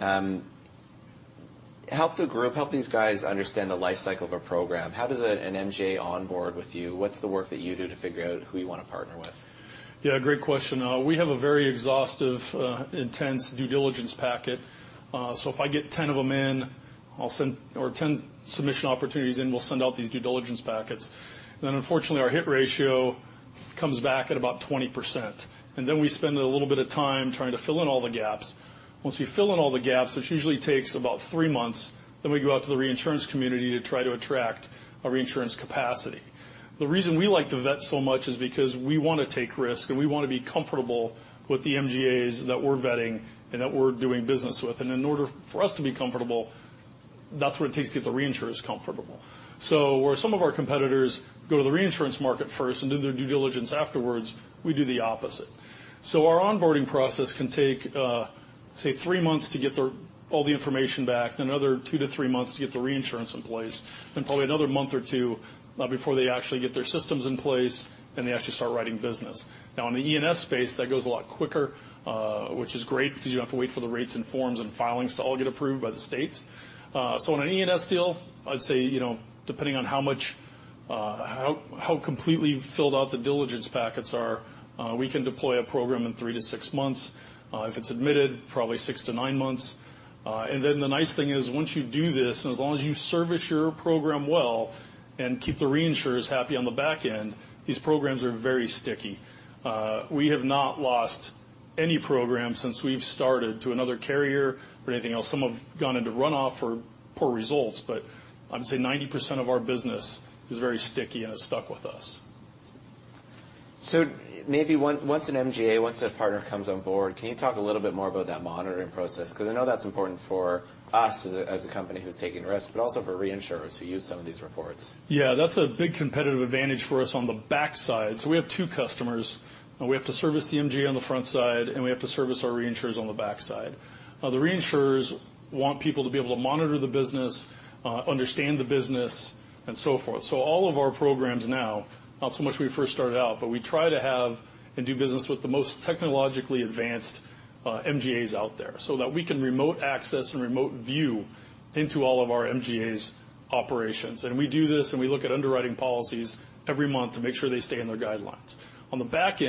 Help the group, help these guys understand the life cycle of a program. How does an MGA onboard with you? What's the work that you do to figure out who you want to partner with? Yeah, great question. We have a very exhaustive, intense due diligence packet. If I get 10 of them in, or 10 submission opportunities in, we'll send out these due diligence packets. Unfortunately, our hit ratio comes back at about 20%, and then we spend a little bit of time trying to fill in all the gaps. Once we fill in all the gaps, which usually takes about three months, we go out to the reinsurance community to try to attract a reinsurance capacity. The reason we like to vet so much is because we want to take risks, and we want to be comfortable with the MGAs that we're vetting and that we're doing business with. In order for us to be comfortable, that's what it takes to get the reinsurers comfortable. Where some of our competitors go to the reinsurance market first and do their due diligence afterwards, we do the opposite. Our onboarding process can take, say, three months to get all the information back, then another two-three months to get the reinsurance in place, then probably another one-two months before they actually get their systems in place, and they actually start writing business. In the E&S space, that goes a lot quicker, which is great because you don't have to wait for the rates and forms and filings to all get approved by the states. On an E&S deal, I'd say, you know, depending on how much, how completely filled out the diligence packets are, we can deploy a program in three-six months. If it's admitted, probably six-nine months. The nice thing is, once you do this, as long as you service your program well and keep the reinsurers happy on the back end, these programs are very sticky. We have not lost any program since we've started to another carrier or anything else. Some have gone into runoff for poor results. I would say 90% of our business is very sticky and has stuck with us. Maybe once an MGA, once a partner comes on board, can you talk a little bit more about that monitoring process? I know that's important for us as a company who's taking the risk, but also for reinsurers who use some of these reports. Yeah, that's a big competitive advantage for us on the backside. We have two customers, and we have to service the MGA on the front side, and we have to service our reinsurers on the backside. The reinsurers want people to be able to monitor the business, understand the business, and so forth. All of our programs now, not so much when we first started out, but we try to have and do business with the most technologically advanced MGAs out there so that we can remote access and remote view into all of our MGAs' operations. We do this, and we look at underwriting policies every month to make sure they stay in their guidelines. On the back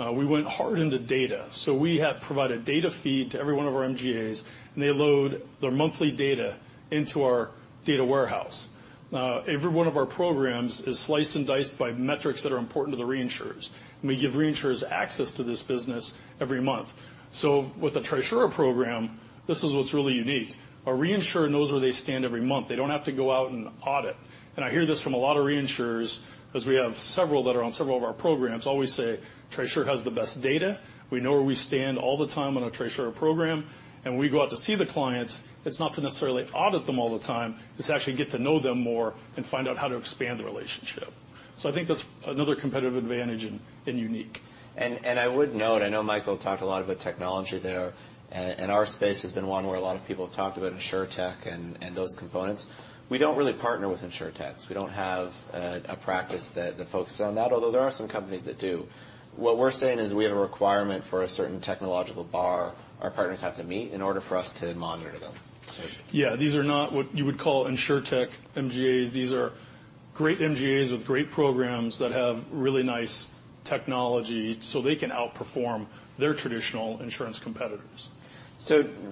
end, we went hard into data. We have provided data feed to every one of our MGAs, and they load their monthly data into our data warehouse. Every one of our programs is sliced and diced by metrics that are important to the reinsurers, and we give reinsurers access to this business every month. With a Trisura program, this is what's really unique. A reinsurer knows where they stand every month. They don't have to go out and audit. I hear this from a lot of reinsurers, as we have several that are on several of our programs, always say: "Trisura has the best data. We know where we stand all the time on a Trisura program, and when we go out to see the clients, it's not to necessarily audit them all the time. It's to actually get to know them more and find out how to expand the relationship." I think that's another competitive advantage and unique. I would note, I know Michael talked a lot about technology there, and our space has been one where a lot of people have talked about InsurTech and those components. We don't really partner with InsurTechs. We don't have a practice that focuses on that, although there are some companies that do. What we're saying is we have a requirement for a certain technological bar our partners have to meet in order for us to monitor them. Yeah. These are not what you would call InsurTech MGAs. These are great MGAs with great programs that have really nice technology, so they can outperform their traditional insurance competitors.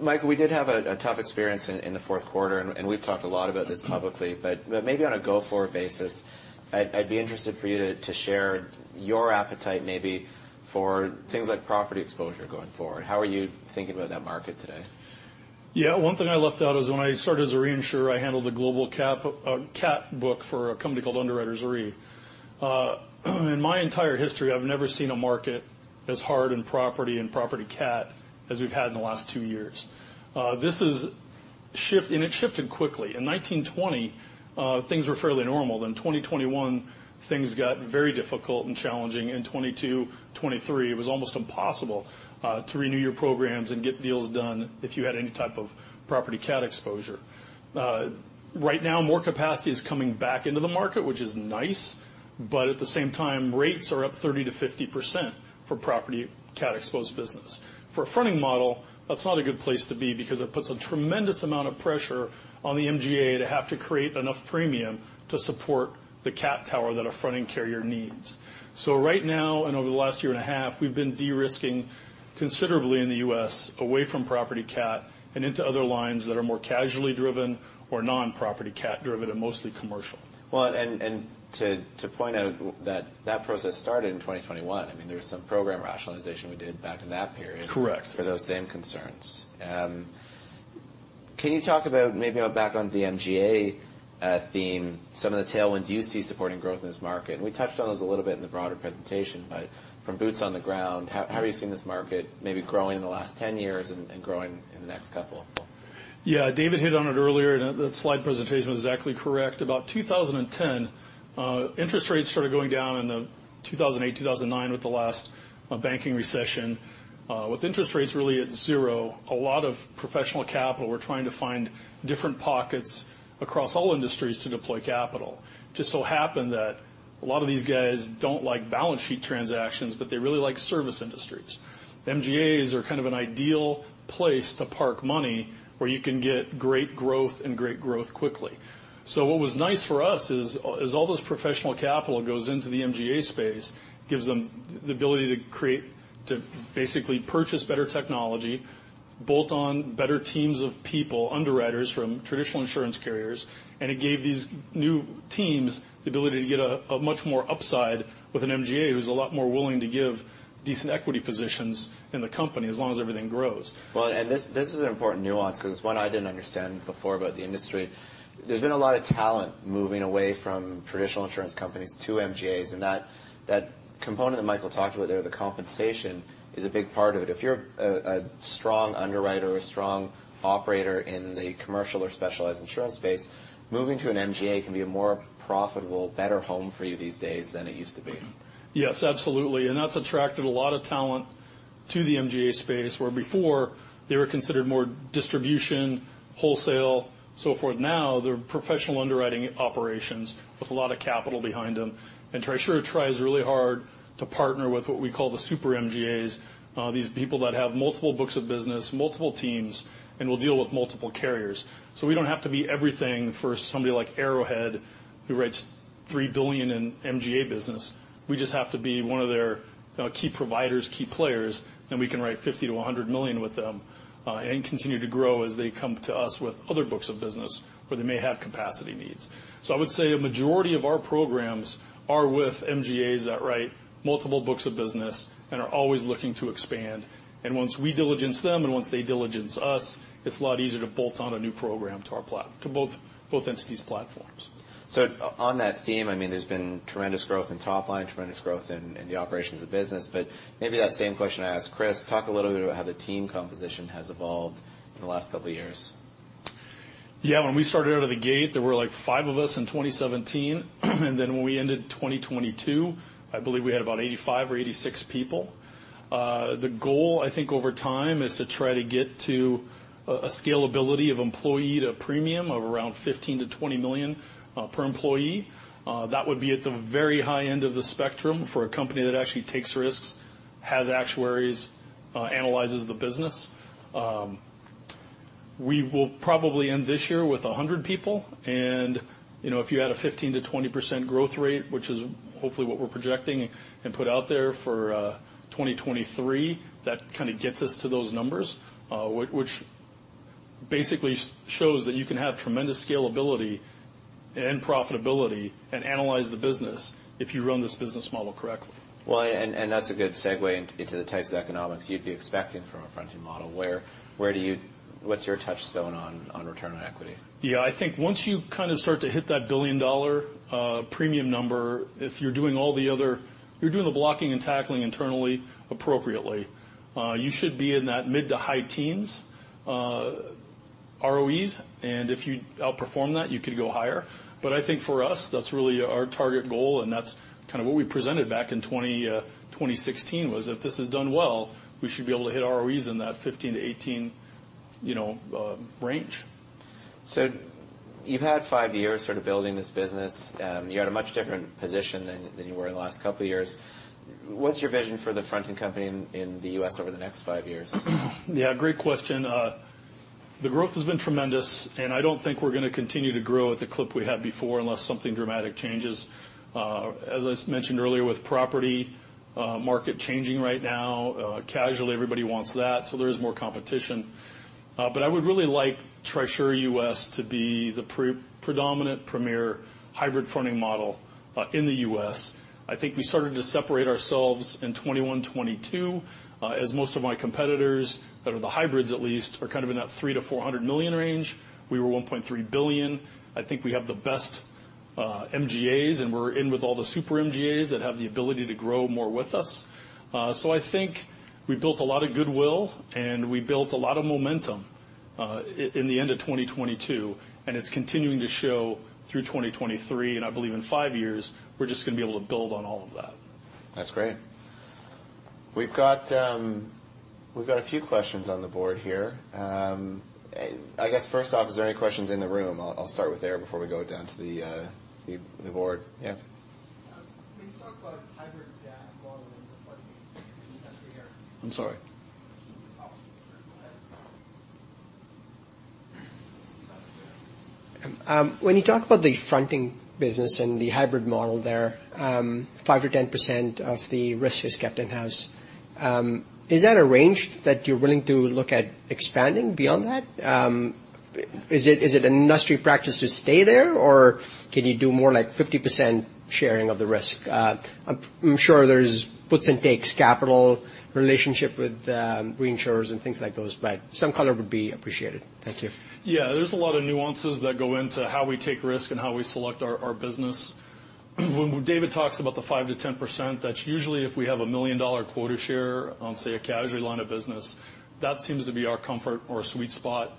Michael, we did have a tough experience in the fourth quarter, and we've talked a lot about this publicly, but maybe on a go-forward basis, I'd be interested for you to share your appetite, maybe for things like property exposure going forward. How are you thinking about that market today? Yeah. One thing I left out is when I started as a reinsurer, I handled the global cap, cat book for a company called Underwriters Re. In my entire history, I've never seen a market as hard in property and property cat as we've had in the last two years. It shifted quickly. In 1920, things were fairly normal. In 2021, things got very difficult and challenging. In 2022, 2023, it was almost impossible to renew your programs and get deals done if you had any type of property cat exposure. Right now, more capacity is coming back into the market, which is nice, but at the same time, rates are up 30%-50% for property cat-exposed business. For a fronting model, that's not a good place to be because it puts a tremendous amount of pressure on the MGA to have to create enough premium to support the cat tower that a fronting carrier needs. Right now, and over the last year and a half, we've been de-risking considerably in the U.S. away from property cat and into other lines that are more casually driven or non-property cat driven and mostly commercial. Well, to point out that process started in 2021. I mean, there was some program rationalization we did back in that period- Correct... for those same concerns. Can you talk about maybe back on the MGA theme, some of the tailwinds you see supporting growth in this market? We touched on this a little bit in the broader presentation, but from boots on the ground, how have you seen this market maybe growing in the last 10 years and growing in the next couple? Yeah, David hit on it earlier, and that slide presentation was exactly correct. About 2010, interest rates started going down, 2008, 2009, with the last banking recession. With interest rates really at zero, a lot of professional capital were trying to find different pockets across all industries to deploy capital. Just so happened that a lot of these guys don't like balance sheet transactions, but they really like service industries. MGAs are kind of an ideal place to park money, where you can get great growth and great growth quickly. What was nice for us is, as all this professional capital goes into the MGA space, gives them the ability to basically purchase better technology, bolt on better teams of people, underwriters from traditional insurance carriers, and it gave these new teams the ability to get a much more upside with an MGA, who's a lot more willing to give decent equity positions in the company as long as everything grows. Well, this is an important nuance because it's one I didn't understand before about the industry. There's been a lot of talent moving away from traditional insurance companies to MGAs, and that component that Michael talked about there, the compensation, is a big part of it. If you're a strong underwriter or a strong operator in the commercial or specialized insurance space, moving to an MGA can be a more profitable, better home for you these days than it used to be. Yes, absolutely. That's attracted a lot of talent to the MGA space, where before they were considered more distribution, wholesale, so forth. Now they're professional underwriting operations with a lot of capital behind them. Trisura tries really hard to partner with what we call the super MGAs, these people that have multiple books of business, multiple teams, and will deal with multiple carriers. We don't have to be everything for somebody like Arrowhead, who writes $3 billion in MGA business. We just have to be one of their key providers, key players, then we can write $50 million-$100 million with them and continue to grow as they come to us with other books of business where they may have capacity needs. I would say a majority of our programs are with MGAs that write multiple books of business and are always looking to expand. Once we diligence them and once they diligence us, it's a lot easier to bolt on a new program to both entities' platforms. On that theme, I mean, there's been tremendous growth in top line, tremendous growth in the operations of the business. Maybe that same question I asked Chris: talk a little bit about how the team composition has evolved in the last couple of years. Yeah, when we started out of the gate, there were, like, five of us in 2017. When we ended 2022, I believe we had about 85 or 86 people. The goal, I think, over time, is to try to get to a scalability of employee to premium of around $15 million-$20 million per employee. That would be at the very high end of the spectrum for a company that actually takes risks, has actuaries, analyzes the business. We will probably end this year with 100 people, you know, if you had a 15%-20% growth rate, which is hopefully what we're projecting and put out there for 2023, that kind of gets us to those numbers. Which basically shows that you can have tremendous scalability and profitability and analyze the business if you run this business model correctly. Well, that's a good segue into the types of economics you'd be expecting from a fronting model. Where, what's your touchstone on return on equity? Yeah. I think once you kind of start to hit that billion-dollar premium number, if you're doing the blocking and tackling internally appropriately, you should be in that mid-to-high teens ROEs. If you outperform that, you could go higher. I think for us, that's really our target goal. That's kind of what we presented back in 2016, was if this is done well, we should be able to hit ROEs in that 15%-18%, you know, range. You've had five years sort of building this business. You're at a much different position than you were in the last couple of years. What's your vision for the fronting company in the U.S. over the next five years? Great question. The growth has been tremendous, I don't think we're going to continue to grow at the clip we had before unless something dramatic changes. As I mentioned earlier, with property market changing right now, casually, everybody wants that, so there is more competition. I would really like Trisura U.S. to be the predominant premier hybrid fronting model in the U.S. I think we started to separate ourselves in 2021, 2022. As most of my competitors, that are the hybrids at least, are kind of in that $300 million-$400 million range. We were $1.3 billion. I think we have the best MGAs, and we're in with all the super MGAs that have the ability to grow more with us. I think we built a lot of goodwill, and we built a lot of momentum, in the end of 2022, and it's continuing to show through 2023. I believe in five years, we're just going to be able to build on all of that. That's great. We've got a few questions on the board here. I guess first off, is there any questions in the room? I'll start with there before we go down to the board. Yeah. Can you talk about hybrid model? I'm sorry. When you talk about the fronting business and the hybrid model there, 5% or 10% of the risk is kept in-house. Is that a range that you're willing to look at expanding beyond that? Is it an industry practice to stay there, or can you do more like 50% sharing of the risk? I'm sure there's puts and takes, capital, relationship with reinsurers and things like those, but some color would be appreciated. Thank you. There's a lot of nuances that go into how we take risk and how we select our business. David talks about the 5%-10%, that's usually if we have a $1 million quota share on, say, a casualty line of business, that seems to be our comfort or sweet spot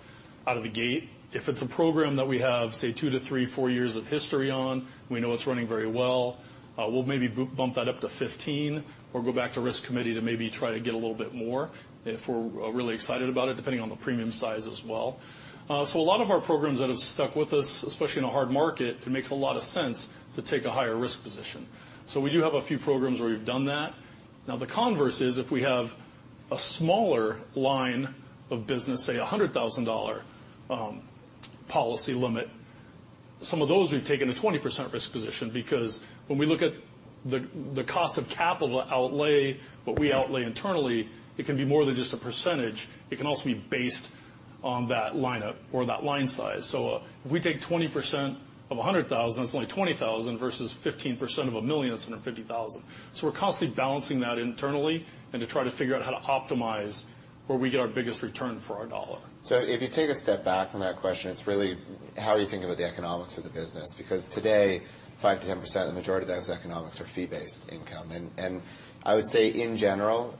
out of the gate. If it's a program that we have, say, two to three, four years of history on, we know it's running very well, we'll maybe bump that up to 15 or go back to risk committee to maybe try to get a little bit more if we're really excited about it, depending on the premium size as well. A lot of our programs that have stuck with us, especially in a hard market, it makes a lot of sense to take a higher risk position. We do have a few programs where we've done that. Now, the converse is, if we have a smaller line of business, say, a $100,000 policy limit, some of those we've taken a 20% risk position, because when we look at the cost of capital outlay, what we outlay internally, it can be more than just a percentage. It can also be based on that lineup or that line size. If we take 20% of $100,000, that's only $20,000, versus 15% of $1 million, that's $150,000. We're constantly balancing that internally and to try to figure out how to optimize where we get our biggest return for our dollar. If you take a step back from that question, it's really how you think about the economics of the business, because today, 5%-10%, the majority of those economics are fee-based income. I would say, in general,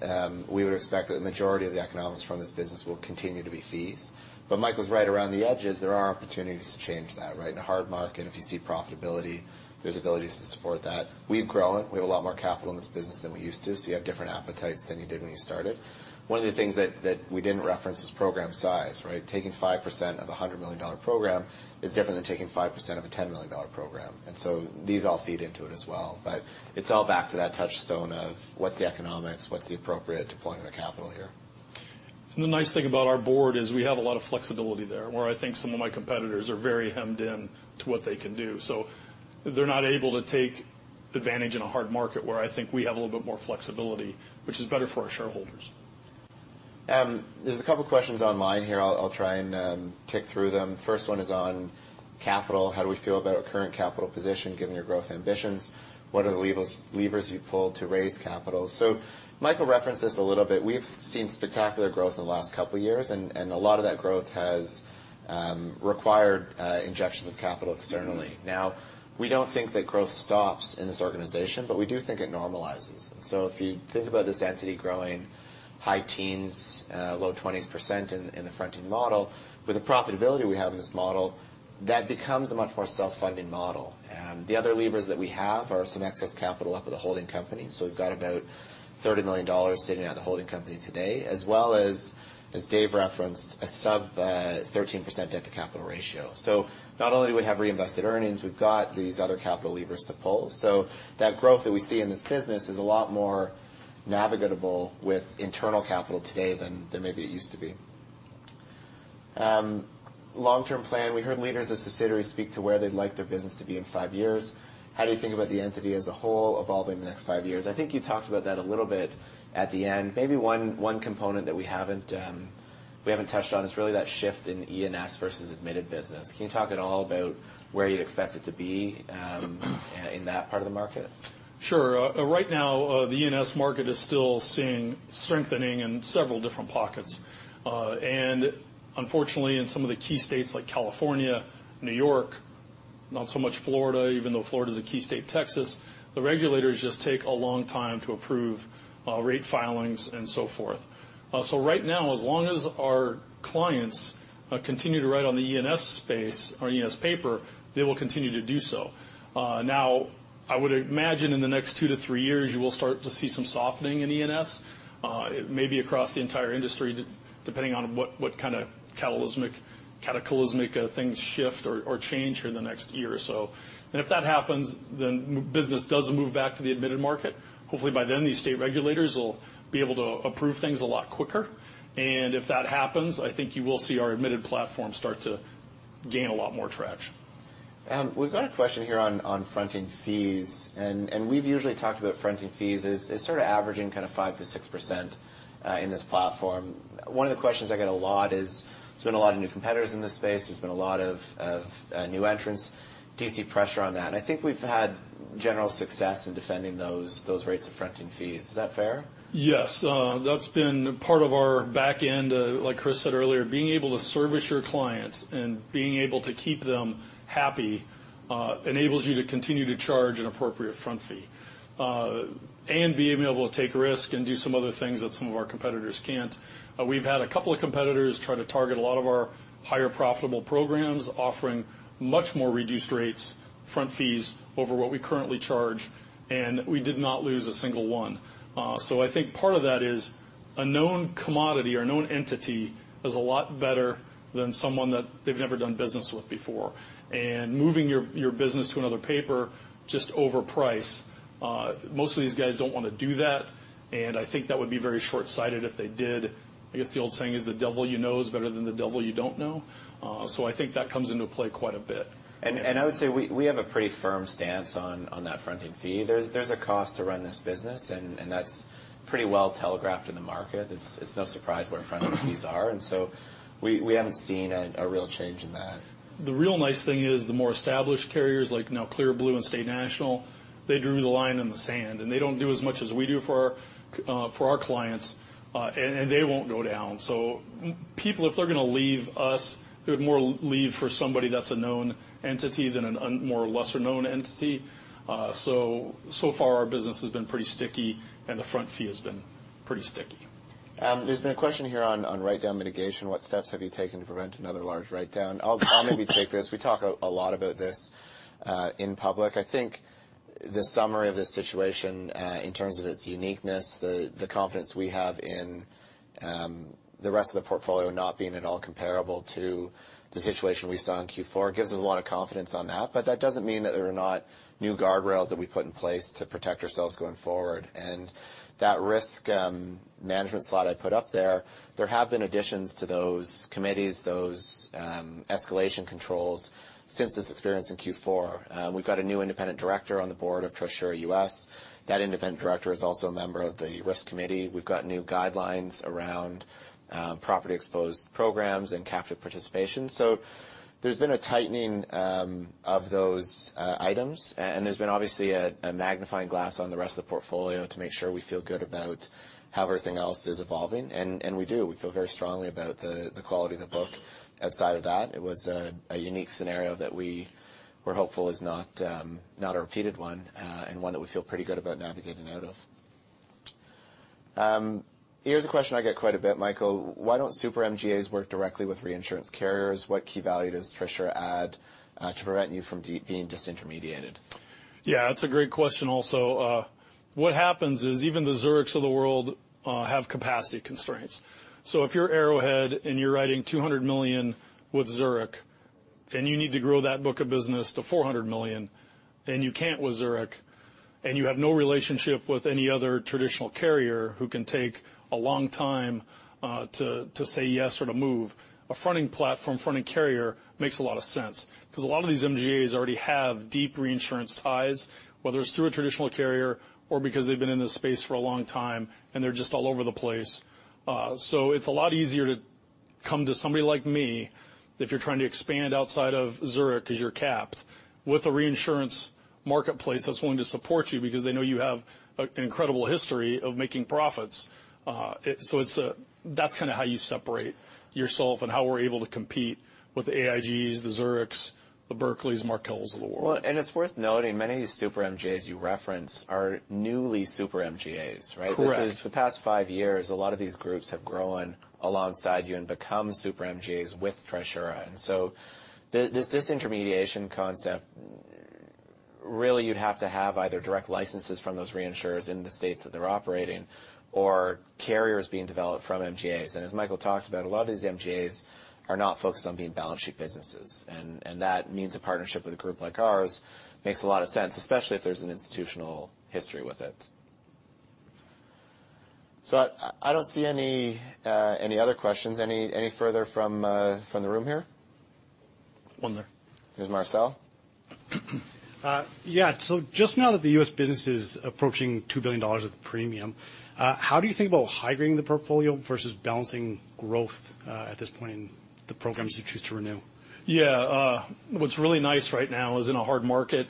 we would expect that the majority of the economics from this business will continue to be fees. Michael's right. Around the edges, there are opportunities to change that, right? In a hard market, if you see profitability, there's abilities to support that. We've grown. We have a lot more capital in this business than we used to, you have different appetites than you did when you started. One of the things that we didn't reference is program size, right? Taking 5% of a $100 million program is different than taking 5% of a $10 million program. These all feed into it as well. It's all back to that touchstone of what's the economics, what's the appropriate deployment of capital here. The nice thing about our board is we have a lot of flexibility there, where I think some of my competitors are very hemmed in to what they can do. They're not able to take advantage in a hard market, where I think we have a little bit more flexibility, which is better for our shareholders. There's a couple questions online here. I'll try and tick through them. First one is on capital. How do we feel about our current capital position, given your growth ambitions? What are the levers you pull to raise capital? Michael referenced this a little bit. We've seen spectacular growth in the last couple of years, and a lot of that growth has required injections of capital externally. Now, we don't think that growth stops in this organization, but we do think it normalizes. If you think about this entity growing high 10s, low 20s% in the fronting model, with the profitability we have in this model, that becomes a much more self-funding model. The other levers that we have are some excess capital up at the holding company. We've got about $30 million sitting at the holding company today, as well as Dave referenced, a sub 13% at the capital ratio. Not only do we have reinvested earnings, we've got these other capital levers to pull. That growth that we see in this business is a lot more navigatable with internal capital today than maybe it used to be. Long-term plan. We heard leaders of subsidiaries speak to where they'd like their business to be in five years. How do you think about the entity as a whole evolving in the next five years? I think you talked about that a little bit at the end. Maybe one component that we haven't, we haven't touched on is really that shift in E&S versus admitted business. Can you talk at all about where you'd expect it to be in that part of the market? Sure. right now, the E&S market is still seeing strengthening in several different pockets. Unfortunately, in some of the key states like California, New York, not so much Florida, even though Florida is a key state, Texas, the regulators just take a long time to approve, rate filings and so forth. Right now, as long as our clients, continue to write on the E&S space or E&S paper, they will continue to do so. I would imagine in the next two to three years, you will start to see some softening in E&S, maybe across the entire industry, depending on what kind of cataclysmic, things shift or change here in the next year or so. If that happens, then business does move back to the admitted market. Hopefully, by then, these state regulators will be able to approve things a lot quicker. If that happens, I think you will see our admitted platform start to gain a lot more traction. We've got a question here on fronting fees, and we've usually talked about fronting fees as sort of averaging 5%-6% in this platform. One of the questions I get a lot is, there's been a lot of new competitors in this space. There's been a lot of new entrants, do you see pressure on that? I think we've had general success in defending those rates of fronting fees. Is that fair? Yes. That's been part of our back end. Like Chris said earlier, being able to service your clients and being able to keep them happy, enables you to continue to charge an appropriate front fee, and being able to take risk and do some other things that some of our competitors can't. We've had a couple of competitors try to target a lot of our higher profitable programs, offering much more reduced rates, front fees, over what we currently charge. We did not lose a single one. I think part of that is a known commodity or a known entity is a lot better than someone that they've never done business with before. Moving your business to another paper just over price, most of these guys don't want to do that, I think that would be very short-sighted if they did. I guess the old saying is, the devil you know is better than the devil you don't know. I think that comes into play quite a bit. I would say we have a pretty firm stance on that fronting fee. There's a cost to run this business, and that's pretty well telegraphed in the market. It's no surprise what front-end fees are, and so we haven't seen a real change in that. The real nice thing is, the more established carriers, like now Clear Blue and State National. They drew the line in the sand, and they don't do as much as we do for our for our clients. They won't go down. People, if they're gonna leave us, they would more leave for somebody that's a known entity than a more lesser-known entity. So far our business has been pretty sticky, and the front fee has been pretty sticky. There's been a question here on write-down mitigation. What steps have you taken to prevent another large write-down? I'll maybe take this. We talk a lot about this in public. I think the summary of this situation, in terms of its uniqueness, the confidence we have in the rest of the portfolio not being at all comparable to the situation we saw in Q4, gives us a lot of confidence on that. That doesn't mean that there are not new guardrails that we've put in place to protect ourselves going forward. That risk management slide I put up there have been additions to those committees, those escalation controls since this experience in Q4. We've got a new independent director on the board of Trisura U.S. That independent director is also a member of the risk committee. We've got new guidelines around property exposed programs and captive participation. There's been a tightening of those items and there's been obviously a magnifying glass on the rest of the portfolio to make sure we feel good about how everything else is evolving. We do. We feel very strongly about the quality of the book. Outside of that, it was a unique scenario that we were hopeful is not a repeated one and one that we feel pretty good about navigating out of. Here's a question I get quite a bit, Michael: Why don't super MGAs work directly with reinsurance carriers? What key value does Trisura add to prevent you from being disintermediated? That's a great question also. What happens is even the Zurichs of the world have capacity constraints. If you're Arrowhead, you're writing $200 million with Zurich, you need to grow that book of business to $400 million, you can't with Zurich, you have no relationship with any other traditional carrier who can take a long time to say yes or to move, a fronting platform, fronting carrier makes a lot of sense. A lot of these MGAs already have deep reinsurance ties, whether it's through a traditional carrier or because they've been in this space for a long time, they're just all over the place. It's a lot easier to come to somebody like me if you're trying to expand outside of Zurich, because you're capped, with a reinsurance marketplace that's willing to support you because they know you have an incredible history of making profits. That's kind of how you separate yourself and how we're able to compete with the AIGs, the Zurichs, the Berkeleys, Markels of the world. Well, it's worth noting, many of these super MGAs you referenced are newly super MGAs, right? Correct. The past 5 years, a lot of these groups have grown alongside you and become super MGAs with Trisura. This disintermediation concept, really, you'd have to have either direct licenses from those reinsurers in the states that they're operating or carriers being developed from MGAs. As Michael talked about, a lot of these MGAs are not focused on being balance sheet businesses, and that means a partnership with a group like ours makes a lot of sense, especially if there's an institutional history with it. I don't see any other questions. Any further from the room here? One there. Here's Marcel. Just now that the U.S. business is approaching $2 billion of premium, how do you think about high-grading the portfolio versus balancing growth, at this point in the programs you choose to renew? What's really nice right now is in a hard market,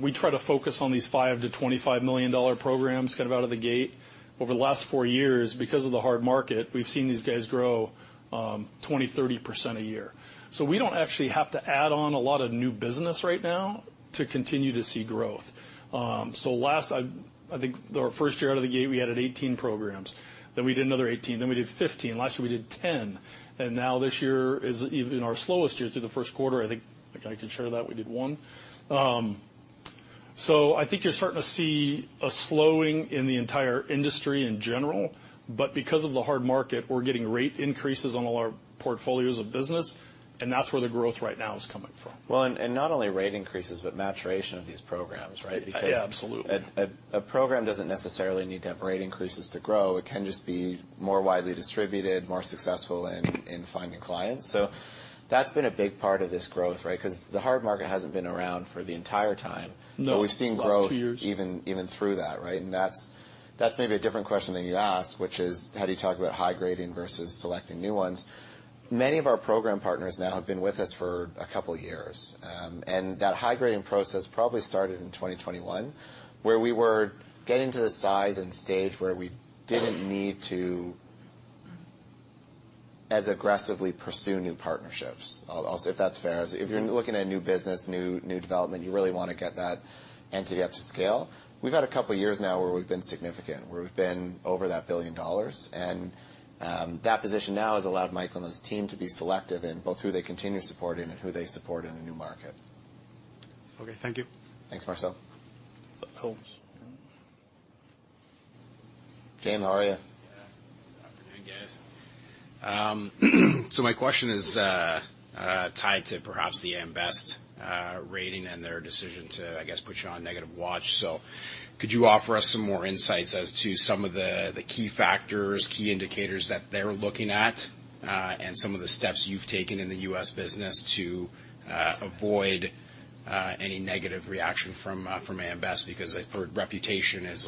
we try to focus on these $5 million-$25 million programs kind of out of the gate. Over the last four years, because of the hard market, we've seen these guys grow, 20%, 30% a year. We don't actually have to add on a lot of new business right now to continue to see growth. Last, I think our first year out of the gate, we added 18 programs. We did another 18, we did 15. Last year, we did 10. Now this year is even our slowest year through the first quarter, I think I can share that we did one. I think you're starting to see a slowing in the entire industry in general, but because of the hard market, we're getting rate increases on all our portfolios of business, and that's where the growth right now is coming from. Well, not only rate increases, but maturation of these programs, right? Yeah, absolutely. Because a program doesn't necessarily need to have rate increases to grow. It can just be more widely distributed, more successful in finding clients. That's been a big part of this growth, right? Because the hard market hasn't been around for the entire time. No. We've seen. Last two years.... even through that, right? That's maybe a different question than you asked, which is, how do you talk about high-grading versus selecting new ones? Many of our program partners now have been with us for a couple of years, and that high-grading process probably started in 2021, where we were getting to the size and stage where we didn't need to as aggressively pursue new partnerships. I'll say if that's fair. If you're looking at new business, new development, you really want to get that entity up to scale. We've had a couple of years now where we've been significant, where we've been over that billion dollars, and that position now has allowed Michael and his team to be selective in both who they continue supporting and who they support in a new market. Okay. Thank you. Thanks, Marcel. Holmes. James, how are you? Yeah. Good afternoon, guys. My question is tied to perhaps the AM Best rating and their decision to, I guess, put you on negative watch. Could you offer us some more insights as to some of the key factors, key indicators that they're looking at and some of the steps you've taken in the U.S. business to avoid any negative reaction from AM Best? I've heard reputation is,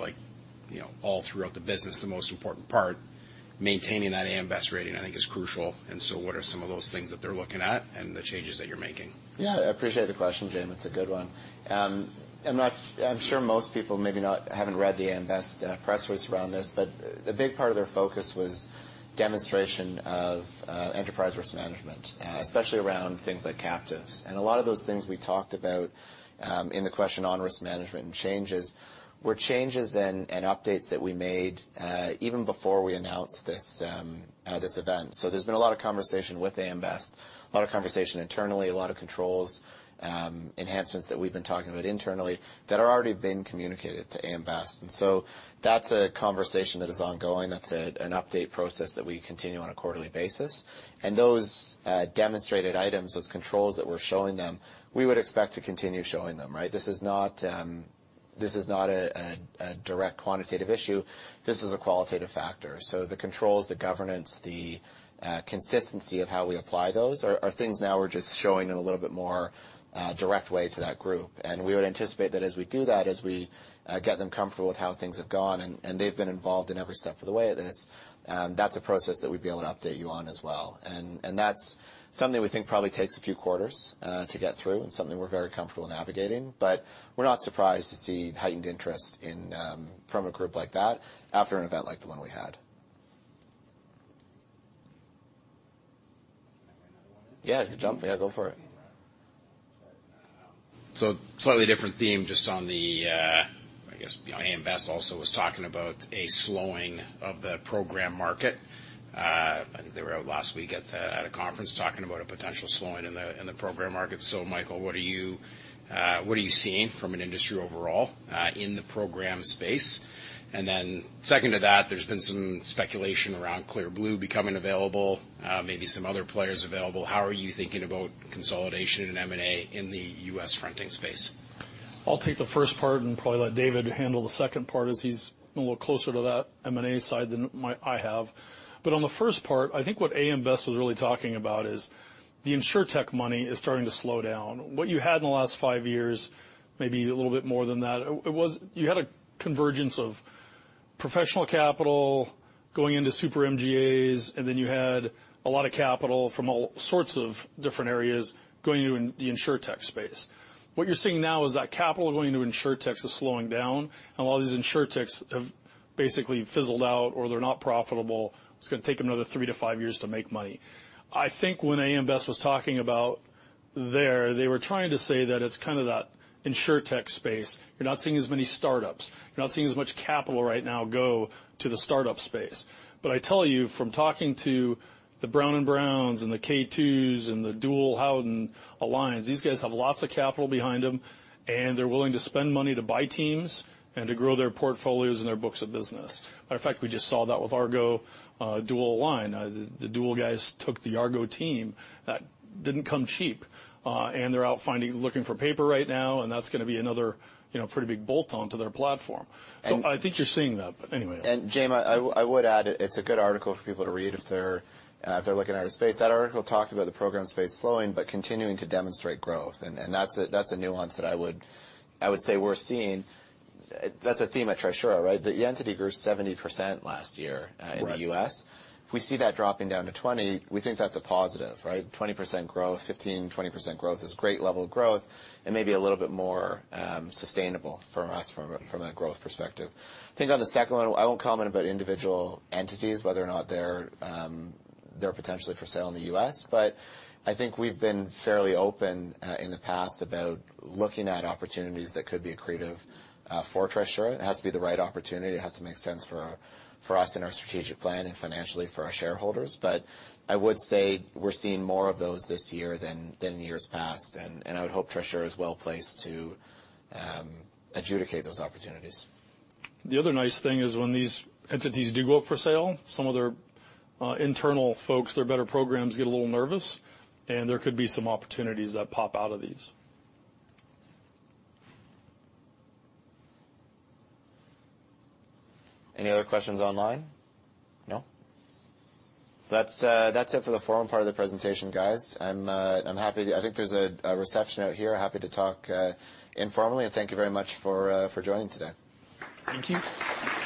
you know, all throughout the business, the most important part, maintaining that AM Best rating, I think, is crucial. What are some of those things that they're looking at and the changes that you're making? Yeah, I appreciate the question, Jim. It's a good one. I'm sure most people maybe not, haven't read the AM Best press release around this, but the big part of their focus was demonstration of enterprise risk management, especially around things like captives. A lot of those things we talked about in the question on risk management and changes, were changes and updates that we made even before we announced this event. There's been a lot of conversation with AM Best, a lot of conversation internally, a lot of controls enhancements that we've been talking about internally that are already been communicated to AM Best. That's a conversation that is ongoing. That's an update process that we continue on a quarterly basis. Those demonstrated items, those controls that we're showing them, we would expect to continue showing them, right? This is not a direct quantitative issue. This is a qualitative factor. The controls, the governance, the consistency of how we apply those are things now we're just showing in a little bit more direct way to that group. We would anticipate that as we do that, as we get them comfortable with how things have gone, and they've been involved in every step of the way of this, that's a process that we'd be able to update you on as well. That's something we think probably takes a few quarters to get through and something we're very comfortable navigating. We're not surprised to see heightened interest in, from a group like that after an event like the one we had. Yeah, jump. Yeah, go for it. slightly different theme, just on the, I guess, AM Best also was talking about a slowing of the program market. I think they were out last week at a, at a conference talking about a potential slowing in the, in the program market. Michael, what are you, what are you seeing from an industry overall, in the program space? Second to that, there's been some speculation around Clear Blue becoming available, maybe some other players available. How are you thinking about consolidation in M&A in the U.S. fronting space? I'll take the first part and probably let David handle the second part, as he's a little closer to that M&A side than my I have. On the first part, I think what AM Best was really talking about is the InsurTech money is starting to slow down. What you had in the last five years, maybe a little bit more than that, it was. You had a convergence of professional capital going into super MGAs, and then you had a lot of capital from all sorts of different areas going into the InsurTech space. What you're seeing now is that capital going into InsurTechs is slowing down, and a lot of these InsurTechs have basically fizzled out or they're not profitable. It's gonna take another three to five years to make money. I think when AM Best was talking about there, they were trying to say that it's kind of that InsurTech space. You're not seeing as many startups. You're not seeing as much capital right now go to the startup space. I tell you, from talking to the Brown & Brown and the K2 and the DUAL Howden Alliance, these guys have lots of capital behind them, and they're willing to spend money to buy teams and to grow their portfolios and their books of business. Matter of fact, we just saw that with Argo, Dual Line. The Dual guys took the Argo team. That didn't come cheap, and they're out finding, looking for paper right now, and that's gonna be another, you know, pretty big bolt-on to their platform. I think you're seeing that, but anyway. Jim, I would add, it's a good article for people to read if they're looking at our space. That article talked about the program space slowing, but continuing to demonstrate growth, and that's a, that's a nuance that I would, I would say we're seeing. That's a theme at Trisura, right? The entity grew 70% last year in the U.S. Right. If we see that dropping down to 20, we think that's a positive, right? 20% growth, 15%-20% growth is great level of growth and maybe a little bit more sustainable for us from a growth perspective. I think on the second one, I won't comment about individual entities, whether or not they're potentially for sale in the U.S., but I think we've been fairly open in the past about looking at opportunities that could be accretive for Trisura. It has to be the right opportunity. It has to make sense for us in our strategic plan and financially for our shareholders. I would say we're seeing more of those this year than years past, and I would hope Trisura is well placed to adjudicate those opportunities. The other nice thing is when these entities do go up for sale, some of their internal folks, their better programs, get a little nervous, and there could be some opportunities that pop out of these. Any other questions online? No. That's it for the forum part of the presentation, guys. I'm happy to. I think there's a reception out here. Happy to talk informally. Thank you very much for joining today. Thank you.